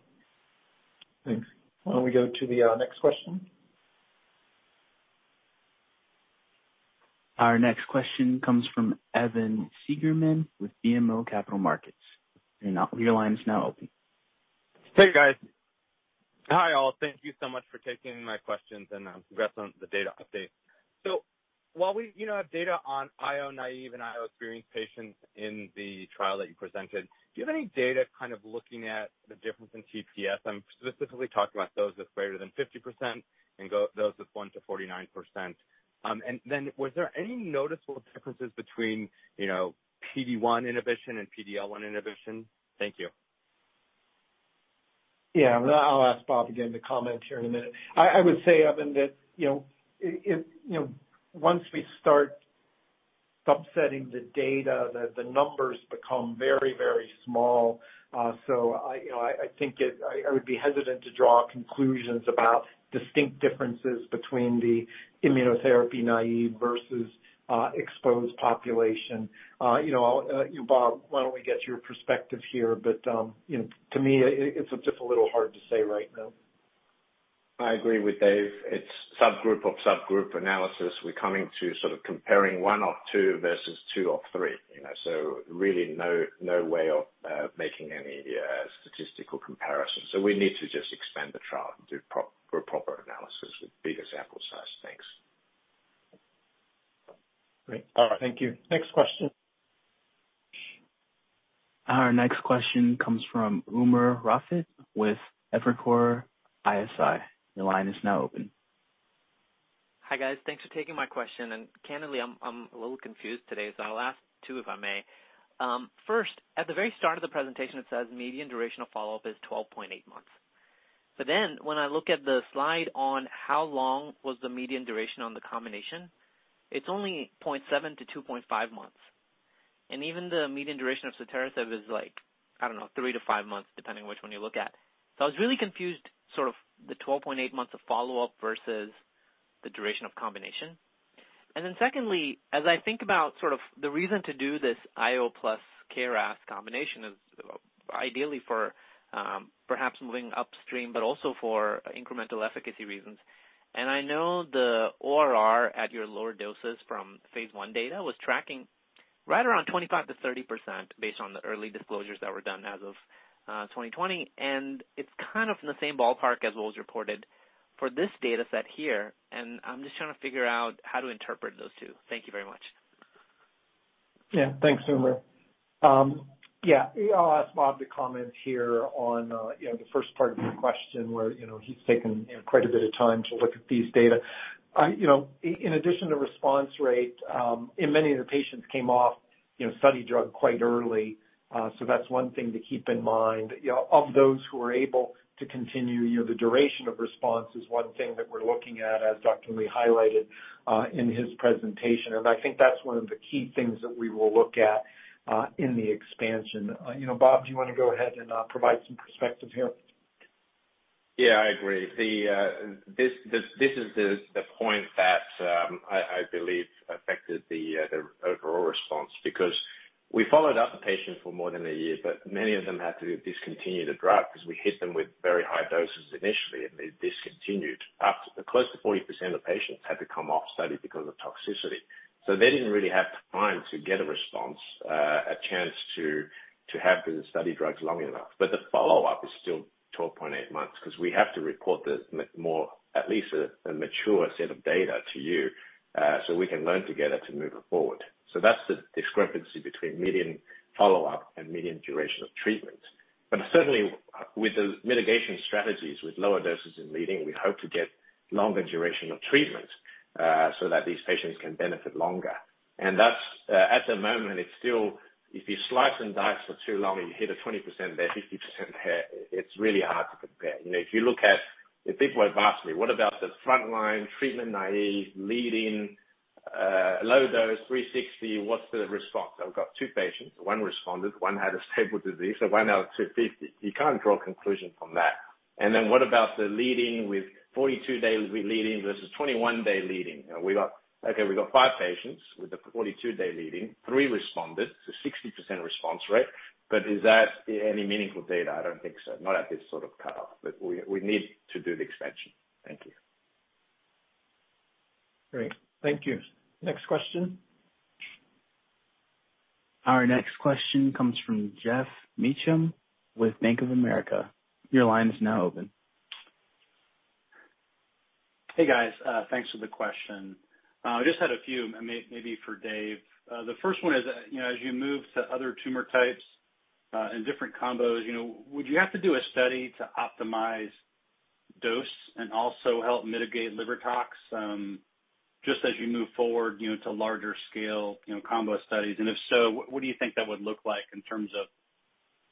Thanks. Why don't we go to the next question? Our next question comes from Evan Seigerman with BMO Capital Markets. Your line is now open. Hey, guys. Hi, all. Thank you so much for taking my questions and congrats on the data update. While we, you know, have data on IO-naïve and IO experienced patients in the trial that you presented, do you have any data kind of looking at the difference in TPS? I'm specifically talking about those with greater than 50% and those with 1%-49%. And then was there any noticeable differences between, you know, PD-1 inhibition and PD-L1 inhibition? Thank you. Yeah. I'll ask Bob again to comment here in a minute. I would say, Evan, that you know it you know once we start subsetting the data the numbers become very very small. So I you know I think I would be hesitant to draw conclusions about distinct differences between the immunotherapy naïve versus exposed population. You know Bob why don't we get your perspective here? But you know to me it's just a little hard to say right now. I agree with Dave. It's subgroup of subgroup analysis. We're coming to sort of comparing one of two versus two of three, you know, so really, no way of making any statistical comparison. We need to just expand the trial and do a proper analysis with bigger sample size. Thanks. Great. All right. Thank you. Next question. Our next question comes from Umair Rafique with Evercore ISI. Your line is now open. Hi, guys. Thanks for taking my question, and candidly, I'm a little confused today, so I'll ask two, if I may. First, at the very start of the presentation, it says median durational follow-up is 12.8 months. When I look at the slide on how long was the median duration on the combination, it's only 0.7-2.5 months. Even the median duration of sotorasib is like, I don't know, 3-5 months, depending on which one you look at. I was really confused, sort of the 12.8 months of follow-up versus the duration of combination. Then secondly, as I think about sort of the reason to do this IO plus KRAS combination is ideally for, perhaps moving upstream, but also for incremental efficacy reasons. I know the ORR at your lower doses from phase I data was tracking right around 25%-30% based on the early disclosures that were done as of 2020. It's kind of in the same ballpark as what was reported for this data set here. I'm just trying to figure out how to interpret those two. Thank you very much. Yeah. Thanks, Umair. Yeah, I'll ask Bob to comment here on, you know, the first part of your question where, you know, he's taken, you know, quite a bit of time to look at these data. You know, in addition to response rate, and many of the patients came off, you know, study drug quite early. So that's one thing to keep in mind. You know, of those who are able to continue, you know, the duration of response is one thing that we're looking at, as Dr. Li highlighted, in his presentation. I think that's one of the key things that we will look at, in the expansion. You know, Bob, do you wanna go ahead and provide some perspective here? Yeah, I agree. This is the point that I believe affected the overall response because we followed up patients for more than a year, but many of them had to discontinue the drug 'cause we hit them with very high doses initially, and they discontinued. Up close to 40% of patients had to come off study because of toxicity, so they didn't really have time to get a response, a chance to have the study drugs long enough. The follow-up is still 12.8 months 'cause we have to report more, at least a mature set of data to you, so we can learn together to move it forward. That's the discrepancy between median follow-up and median duration of treatment. Certainly with the mitigation strategies, with lower doses in leading, we hope to get longer duration of treatment, so that these patients can benefit longer. That's at the moment it's still if you slice and dice for too long and you hit a 20% there, 50% there, it's really hard to compare. You know, if you look at, if this were vastly, what about the frontline treatment naïve leading, low dose 360, what's the response? I've got 2 patients, one responded, one had a stable disease, so why now 250? You can't draw a conclusion from that. Then what about the leading with 42 days with leading versus 21-day leading? You know, Okay, we got five patients with the 42-day leading, three responded to 60% response rate. Is that any meaningful data? I don't think so. Not at this sort of cutoff, but we need to do the expansion. Thank you. Great. Thank you. Next question. Our next question comes from Geoff Meacham with Bank of America. Your line is now open. Hey, guys. Thanks for the question. I just had a few maybe for Dave. The first one is, you know, as you move to other tumor types and different combos, you know, would you have to do a study to optimize dose and also help mitigate liver tox, just as you move forward, you know, to larger scale, you know, combo studies? And if so, what do you think that would look like in terms of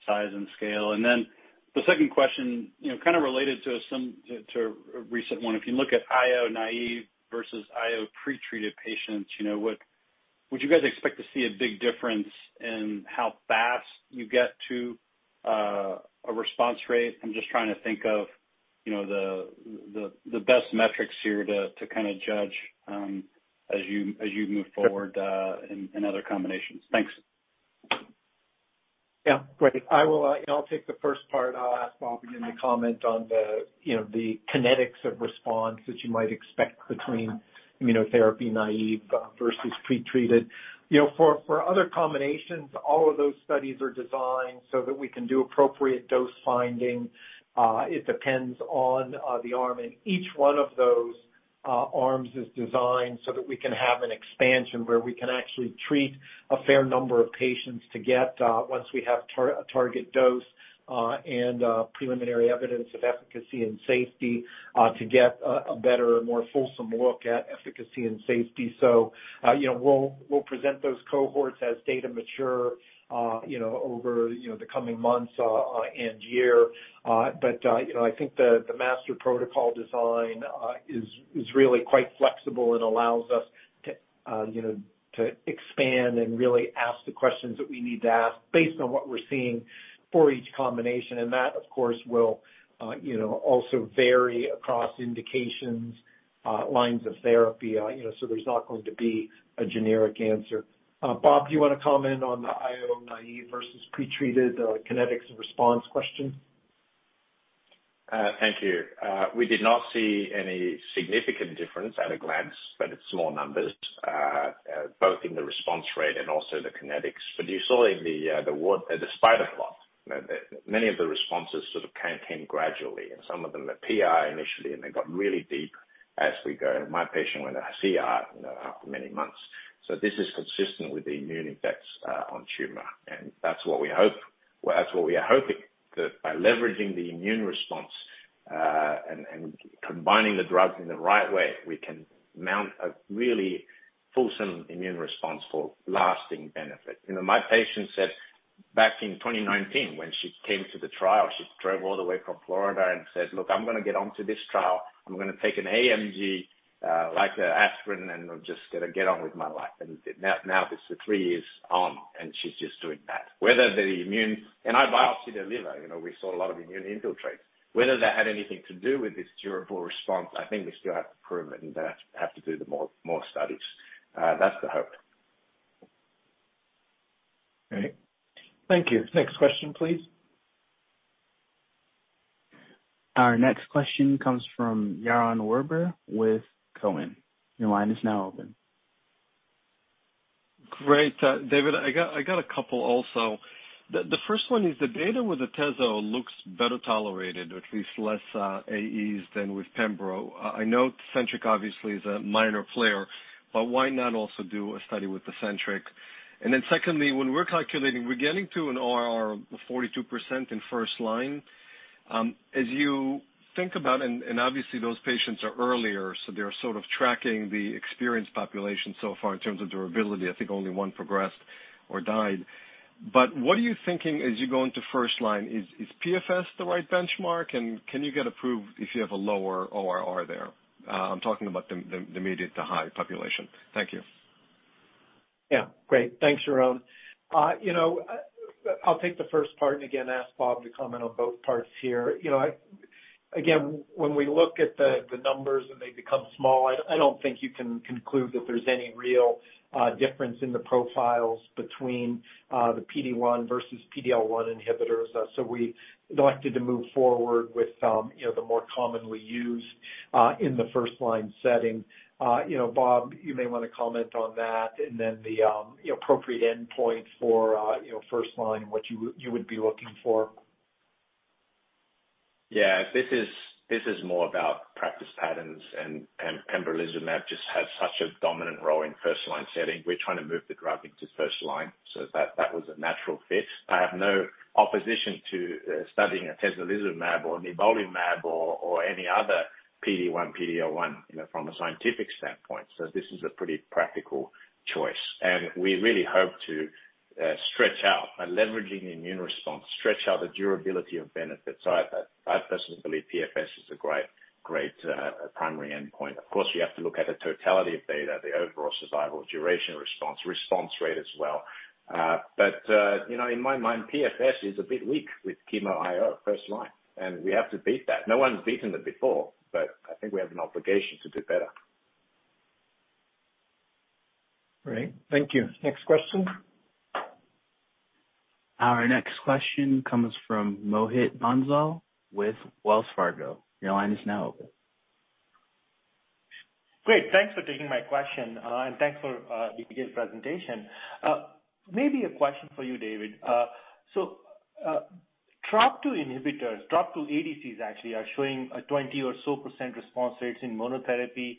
size and scale? And then the second question, you know, kind of related to some, to a recent one, if you look at IO-naïve versus IO-pretreated patients, you know, would you guys expect to see a big difference in how fast you get to a response rate? I'm just trying to think of, you know, the best metrics here to kind of judge as you move forward in other combinations. Thanks. Yeah. Great. I will, I'll take the first part. I'll ask Bob again to comment on the, you know, the kinetics of response that you might expect between immunotherapy naïve versus pretreated. You know, for other combinations, all of those studies are designed so that we can do appropriate dose finding. It depends on the arm in each one of those arms is designed so that we can have an expansion where we can actually treat a fair number of patients to get, once we have target dose, and preliminary evidence of efficacy and safety, to get a better, more fulsome look at efficacy and safety. So, you know, we'll present those cohorts as data mature, you know, over, you know, the coming months, and year. I think the master protocol design is really quite flexible and allows us to, you know, to expand and really ask the questions that we need to ask based on what we're seeing for each combination. That, of course, will, you know, also vary across indications, lines of therapy. You know, so there's not going to be a generic answer. Bob, do you wanna comment on the IO naïve versus pretreated, kinetics and response question? Thank you. We did not see any significant difference at a glance, but it's small numbers, both in the response rate and also the kinetics. You saw in the spider plot, many of the responses sort of came gradually, and some of them are PI initially, and they got really deep as we go. My patient went into CI, you know, after many months. This is consistent with the immune effects on tumor. That's what we hope. Well, that's what we are hoping, that by leveraging the immune response and combining the drugs in the right way, we can mount a really fulsome immune response for lasting benefit. You know, my patient said back in 2019 when she came to the trial, she drove all the way from Florida and said, "Look, I'm gonna get onto this trial. I'm gonna take an AMG, like an aspirin, and I'm just gonna get on with my life." She did. Now it's three years on, and she's just doing that. Whether the immune, in our biopsy-derived, you know, we saw a lot of immune infiltrates. Whether that had anything to do with this durable response, I think we still have to prove it and have to do more studies. That's the hope. Great. Thank you. Next question, please. Our next question comes from Yaron Werber with Cowen. Your line is now open. Great. David, I got a couple also. The first one is the data with atezo looks better tolerated, or at least less AEs than with pembro. I know Tecentriq obviously is a minor player, but why not also do a study with Tecentriq? Secondly, when we're calculating, we're getting to an ORR of 42% in first line. As you think about and obviously, those patients are earlier, so they're sort of tracking the experienced population so far in terms of durability. I think only one progressed or died. What are you thinking as you go into first line? Is PFS the right benchmark? Can you get approved if you have a lower ORR there? I'm talking about the intermediate to high population. Thank you. Yeah. Great. Thanks, Yaron. You know, I'll take the first part and again ask Bob to comment on both parts here. You know, again, when we look at the numbers and they become small, I don't think you can conclude that there's any real difference in the profiles between the PD-1 versus PD-L1 inhibitors. So we elected to move forward with you know, the more commonly used in the first-line setting. You know, Bob, you may wanna comment on that and then the you know, appropriate endpoint for you know, first line and what you would be looking for. Yeah. This is more about practice patterns, and pembrolizumab just has such a dominant role in first line setting. We're trying to move the drug into first line, so that was a natural fit. I have no opposition to studying atezolizumab or nivolumab or any other PD-1, PD-L1, you know, from a scientific standpoint. This is a pretty practical choice. We really hope to stretch out by leveraging immune response, stretch out the durability of benefits. I personally believe PFS is a great primary endpoint. Of course, you have to look at the totality of data, the overall survival duration response rate as well. But you know, in my mind, PFS is a bit weak with chemo IO first line, and we have to beat that. No one's beaten it before, but I think we have an obligation to do better. Great. Thank you. Next question. Our next question comes from Mohit Bansal with Wells Fargo. Your line is now open. Great. Thanks for taking my question, and thanks for the detailed presentation. Maybe a question for you, David. Trop2 inhibitors, Trop2 ADCs actually are showing a 20% or so response rates in monotherapy.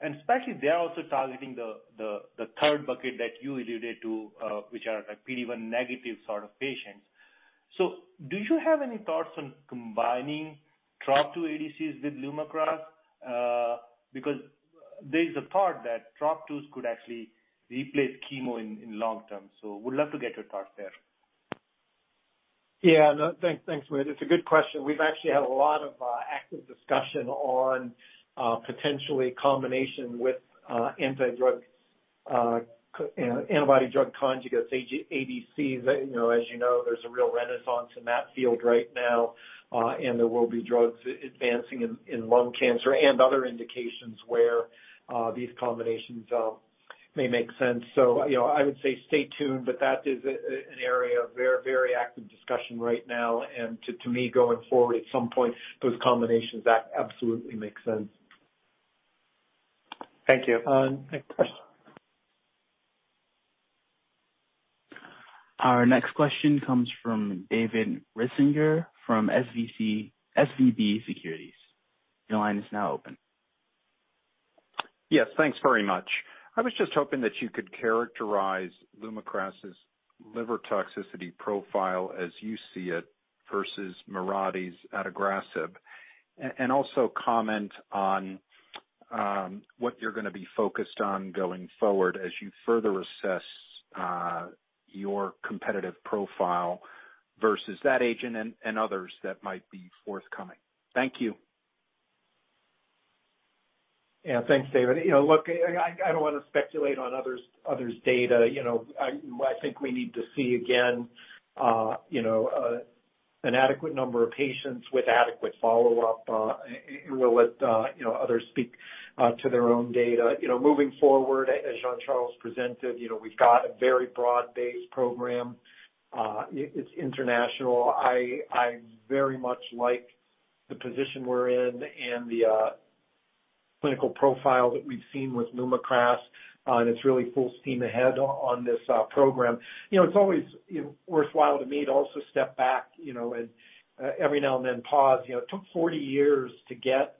And especially, they are also targeting the third bucket that you alluded to, which are like PD-1 negative sort of patients. Do you have any thoughts on combining Trop2 ADCs with LUMAKRAS? Because there is a part that Trop2s could actually replace chemo in long term. Would love to get your thoughts there. Yeah. No, thanks, Mohit. It's a good question. We've actually had a lot of active discussion on potentially combination with antibody drug conjugates, ADCs. You know, as you know, there's a real renaissance in that field right now, and there will be drugs advancing in lung cancer and other indications where these combinations may make sense. You know, I would say stay tuned, but that is an area of very, very active discussion right now. To me, going forward, at some point, those combinations, that absolutely makes sense. Thank you. Next question. Our next question comes from David Risinger from SVB Securities. Your line is now open. Yes, thanks very much. I was just hoping that you could characterize LUMAKRAS' liver toxicity profile as you see it, versus Mirati's adagrasib. Also comment on what you're gonna be focused on going forward as you further assess your competitive profile versus that agent and others that might be forthcoming. Thank you. Yeah. Thanks, David. You know, look, I don't wanna speculate on others' data, you know. I think we need to see again an adequate number of patients with adequate follow-up. And we'll let others speak to their own data. You know, moving forward, as Jean-Charles Soria presented, you know, we've got a very broad-based program. It's international. I very much like the position we're in and the clinical profile that we've seen with LUMAKRAS, and it's really full steam ahead on this program. You know, it's always worthwhile to me to also step back, you know, and every now and then pause. You know, it took 40 years to get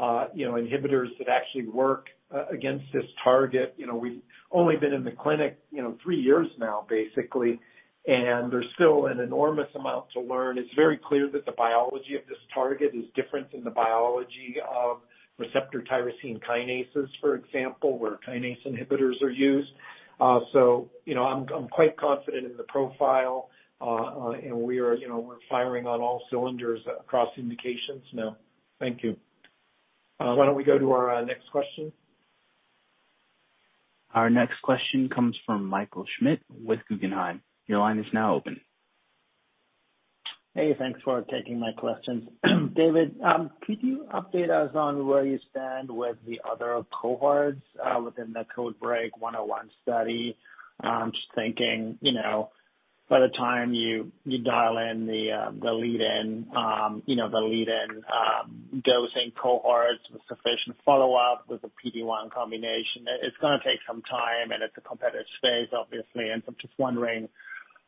inhibitors that actually work against this target. You know, we've only been in the clinic, you know, three years now, basically, and there's still an enormous amount to learn. It's very clear that the biology of this target is different than the biology of receptor tyrosine kinases, for example, where kinase inhibitors are used. You know, I'm quite confident in the profile. We are, you know, we're firing on all cylinders across indications now. Thank you. Why don't we go to our next question? Our next question comes from Michael Schmidt with Guggenheim. Your line is now open. Hey, thanks for taking my questions. David, could you update us on where you stand with the other cohorts within the CodeBreaK 101 study? I'm just thinking, you know, by the time you dial in the lead-in dosing cohorts with sufficient follow-up with the PD-1 combination, it's gonna take some time, and it's a competitive space, obviously. I'm just wondering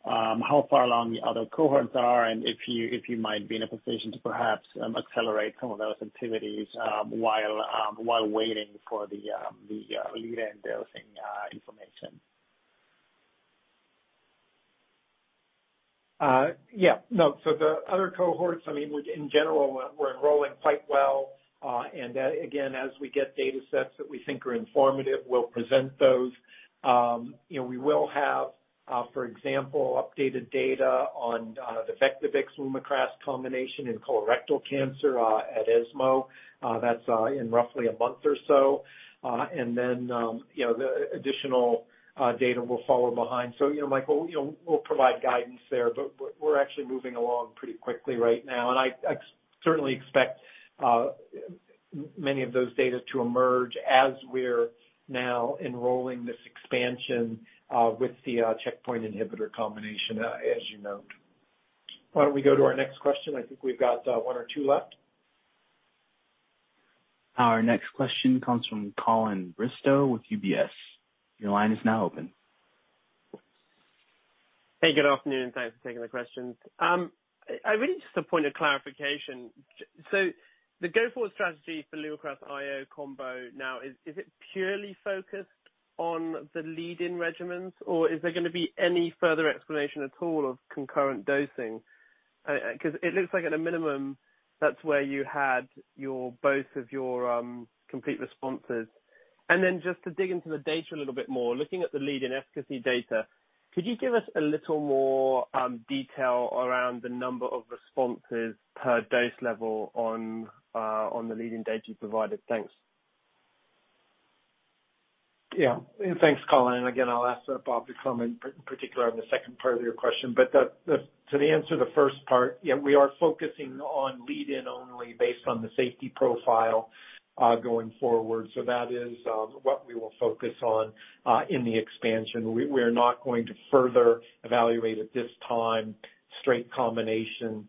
how far along the other cohorts are and if you might be in a position to perhaps accelerate some of those activities while waiting for the lead-in dosing information. Yeah. No. The other cohorts, I mean, in general, we're enrolling quite well. And again, as we get datasets that we think are informative, we'll present those. You know, we will have, for example, updated data on the Vectibix LUMAKRAS combination in colorectal cancer at ESMO. That's in roughly a month or so. You know, the additional data will follow behind. You know, Michael, you know, we'll provide guidance there, but we're actually moving along pretty quickly right now. I certainly expect many of those data to emerge as we're now enrolling this expansion with the checkpoint inhibitor combination, as you note. Why don't we go to our next question? I think we've got one or two left. Our next question comes from Colin Bristow with UBS. Your line is now open. Hey, good afternoon, and thanks for taking the questions. I really just have a point of clarification. The go-forward strategy for LUMAKRAS-IO combo now is it purely focused on the lead-in regimens, or is there gonna be any further exploration at all of concurrent dosing? 'Cause it looks like at a minimum, that's where you had both of your complete responses. Just to dig into the data a little bit more, looking at the lead-in efficacy data, could you give us a little more detail around the number of responses per dose level on the lead-in data you provided? Thanks. Yeah. Thanks, Colin. Again, I'll ask, Bob to comment particularly on the second part of your question. To answer the first part, yeah, we are focusing on lead-in only based on the safety profile, going forward. That is what we will focus on in the expansion. We're not going to further evaluate at this time straight combination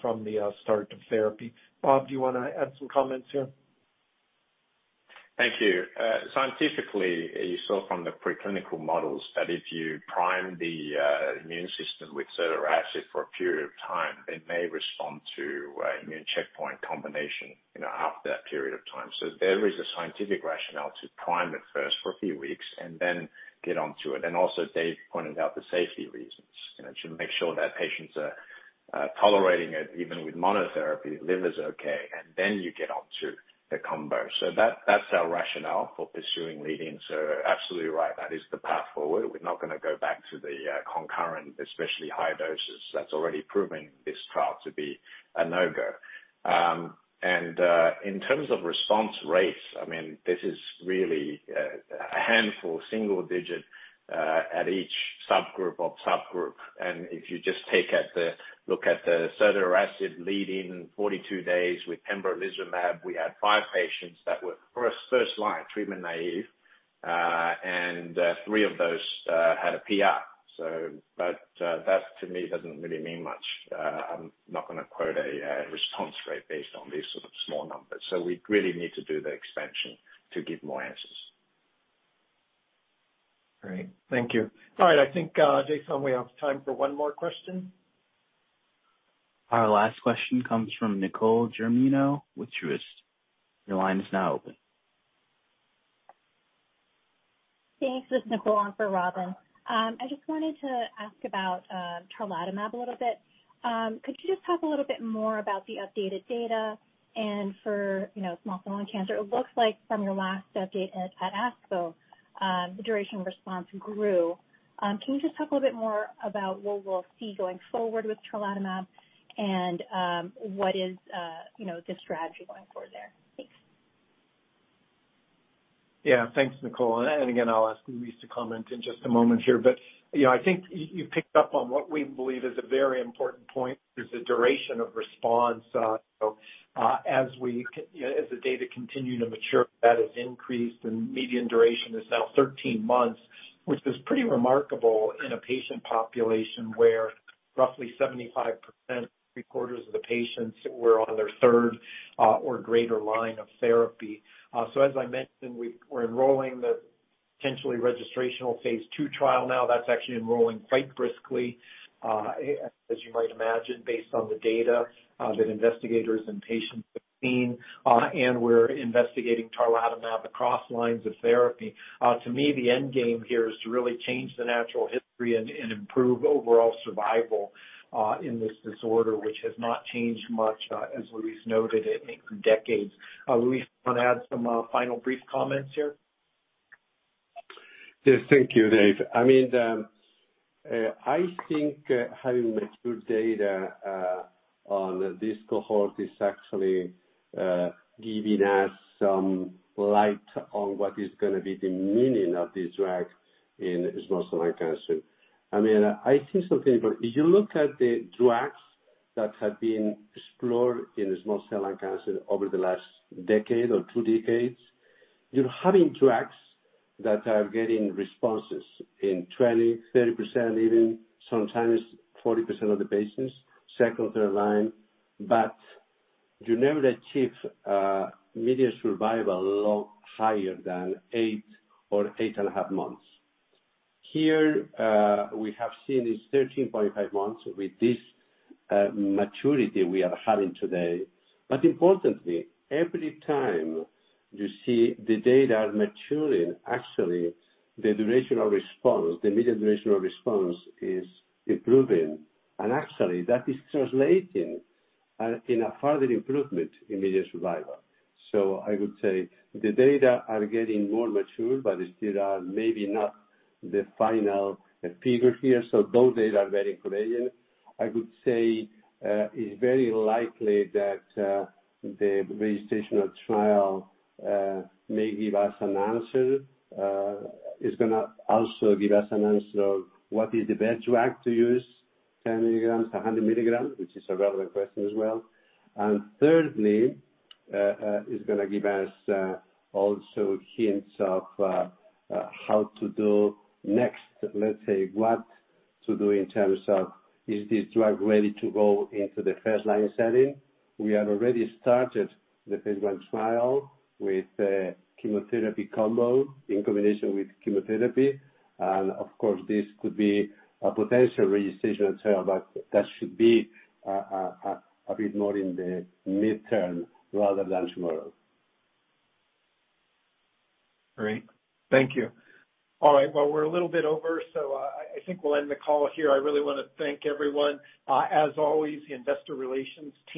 from the start of therapy. Bob, do you wanna add some comments here? Thank you. Scientifically, you saw from the preclinical models that if you prime the immune system with sotorasib for a period of time, it may respond to an immune checkpoint combination, you know, after that period of time. There is a scientific rationale to prime it first for a few weeks and then get onto it. Also, Dave pointed out the safety reasons, you know, to make sure that patients are tolerating it, even with monotherapy, liver's okay, and then you get onto the combo. That, that's our rationale for pursuing lead-in. Absolutely right, that is the path forward. We're not gonna go back to the concurrent, especially high doses. That's already proven this trial to be a no-go. In terms of response rates, I mean, this is really a handful, single-digit at each subgroup. If you just look at the sotorasib lead-in 42 days with pembrolizumab, we had five patients that were first-line treatment-naïve, and three of those had a PR. But that to me doesn't really mean much. I'm not gonna quote a response rate based on these sort of small numbers. We really need to do the expansion to give more answers. Great. Thank you. All right, I think, Jason, we have time for one more question. Our last question comes from Nicole Germino with Truist. Your line is now open. Thanks. This is Nicole on for Robin. I just wanted to ask about tarlatamab a little bit. Could you just talk a little bit more about the updated data and for, you know, small cell lung cancer, it looks like from your last update at ASCO, the duration response grew. Can you just talk a little bit more about what we'll see going forward with tarlatamab and what is, you know, the strategy going forward there? Thanks. Yeah. Thanks, Nicole. And again, I'll ask Luis to comment in just a moment here, but you know, I think you picked up on what we believe is a very important point. There's a duration of response. So as the data continue to mature, that has increased and median duration is now 13 months, which is pretty remarkable in a patient population where roughly 75%, three-quarters of the patients were on their third or greater line of therapy. So as I mentioned, we're enrolling the potentially registrational phase II trial now. That's actually enrolling quite briskly, as you might imagine, based on the data that investigators and patients have seen. And we're investigating tarlatamab across lines of therapy. To me, the end game here is to really change the natural history and improve overall survival in this disorder, which has not changed much, as Luis noted, in decades. Luis, wanna add some final brief comments here? Yes. Thank you, Dave. I mean, I think having mature data on this cohort is actually giving us some light on what is gonna be the meaning of this drug in small cell lung cancer. I mean, I think something, but if you look at the drugs that have been explored in small cell lung cancer over the last decade or two decades, you're having drugs that are getting responses in 20%-30%, even sometimes 40% of the patients, second or third line. But you never achieve median survival lot higher than 8 or 8.5 months. Here, we have seen it's 13.5 months with this maturity we are having today. But importantly, every time you see the data maturing, actually the duration of response, the median duration of response is improving. Actually that is translating in a further improvement in median survival. I would say the data are getting more mature, but they still are maybe not the final figure here. Those data are very encouraging. I would say it's very likely that the registrational trial may give us an answer. It's gonna also give us an answer of what is the best drug to use, 10 milligrams or 100 milligrams, which is a relevant question as well. Thirdly, it's gonna give us also hints of how to do next, let's say, what to do in terms of, is this drug ready to go into the first line setting? We have already started the phase I trial with a chemotherapy combo in combination with chemotherapy, and of course this could be a potential registrational trial, but that should be a bit more in the midterm rather than tomorrow. Great. Thank you. All right, well we're a little bit over, so I think we'll end the call here. I really wanna thank everyone. As always, the Investor Relations team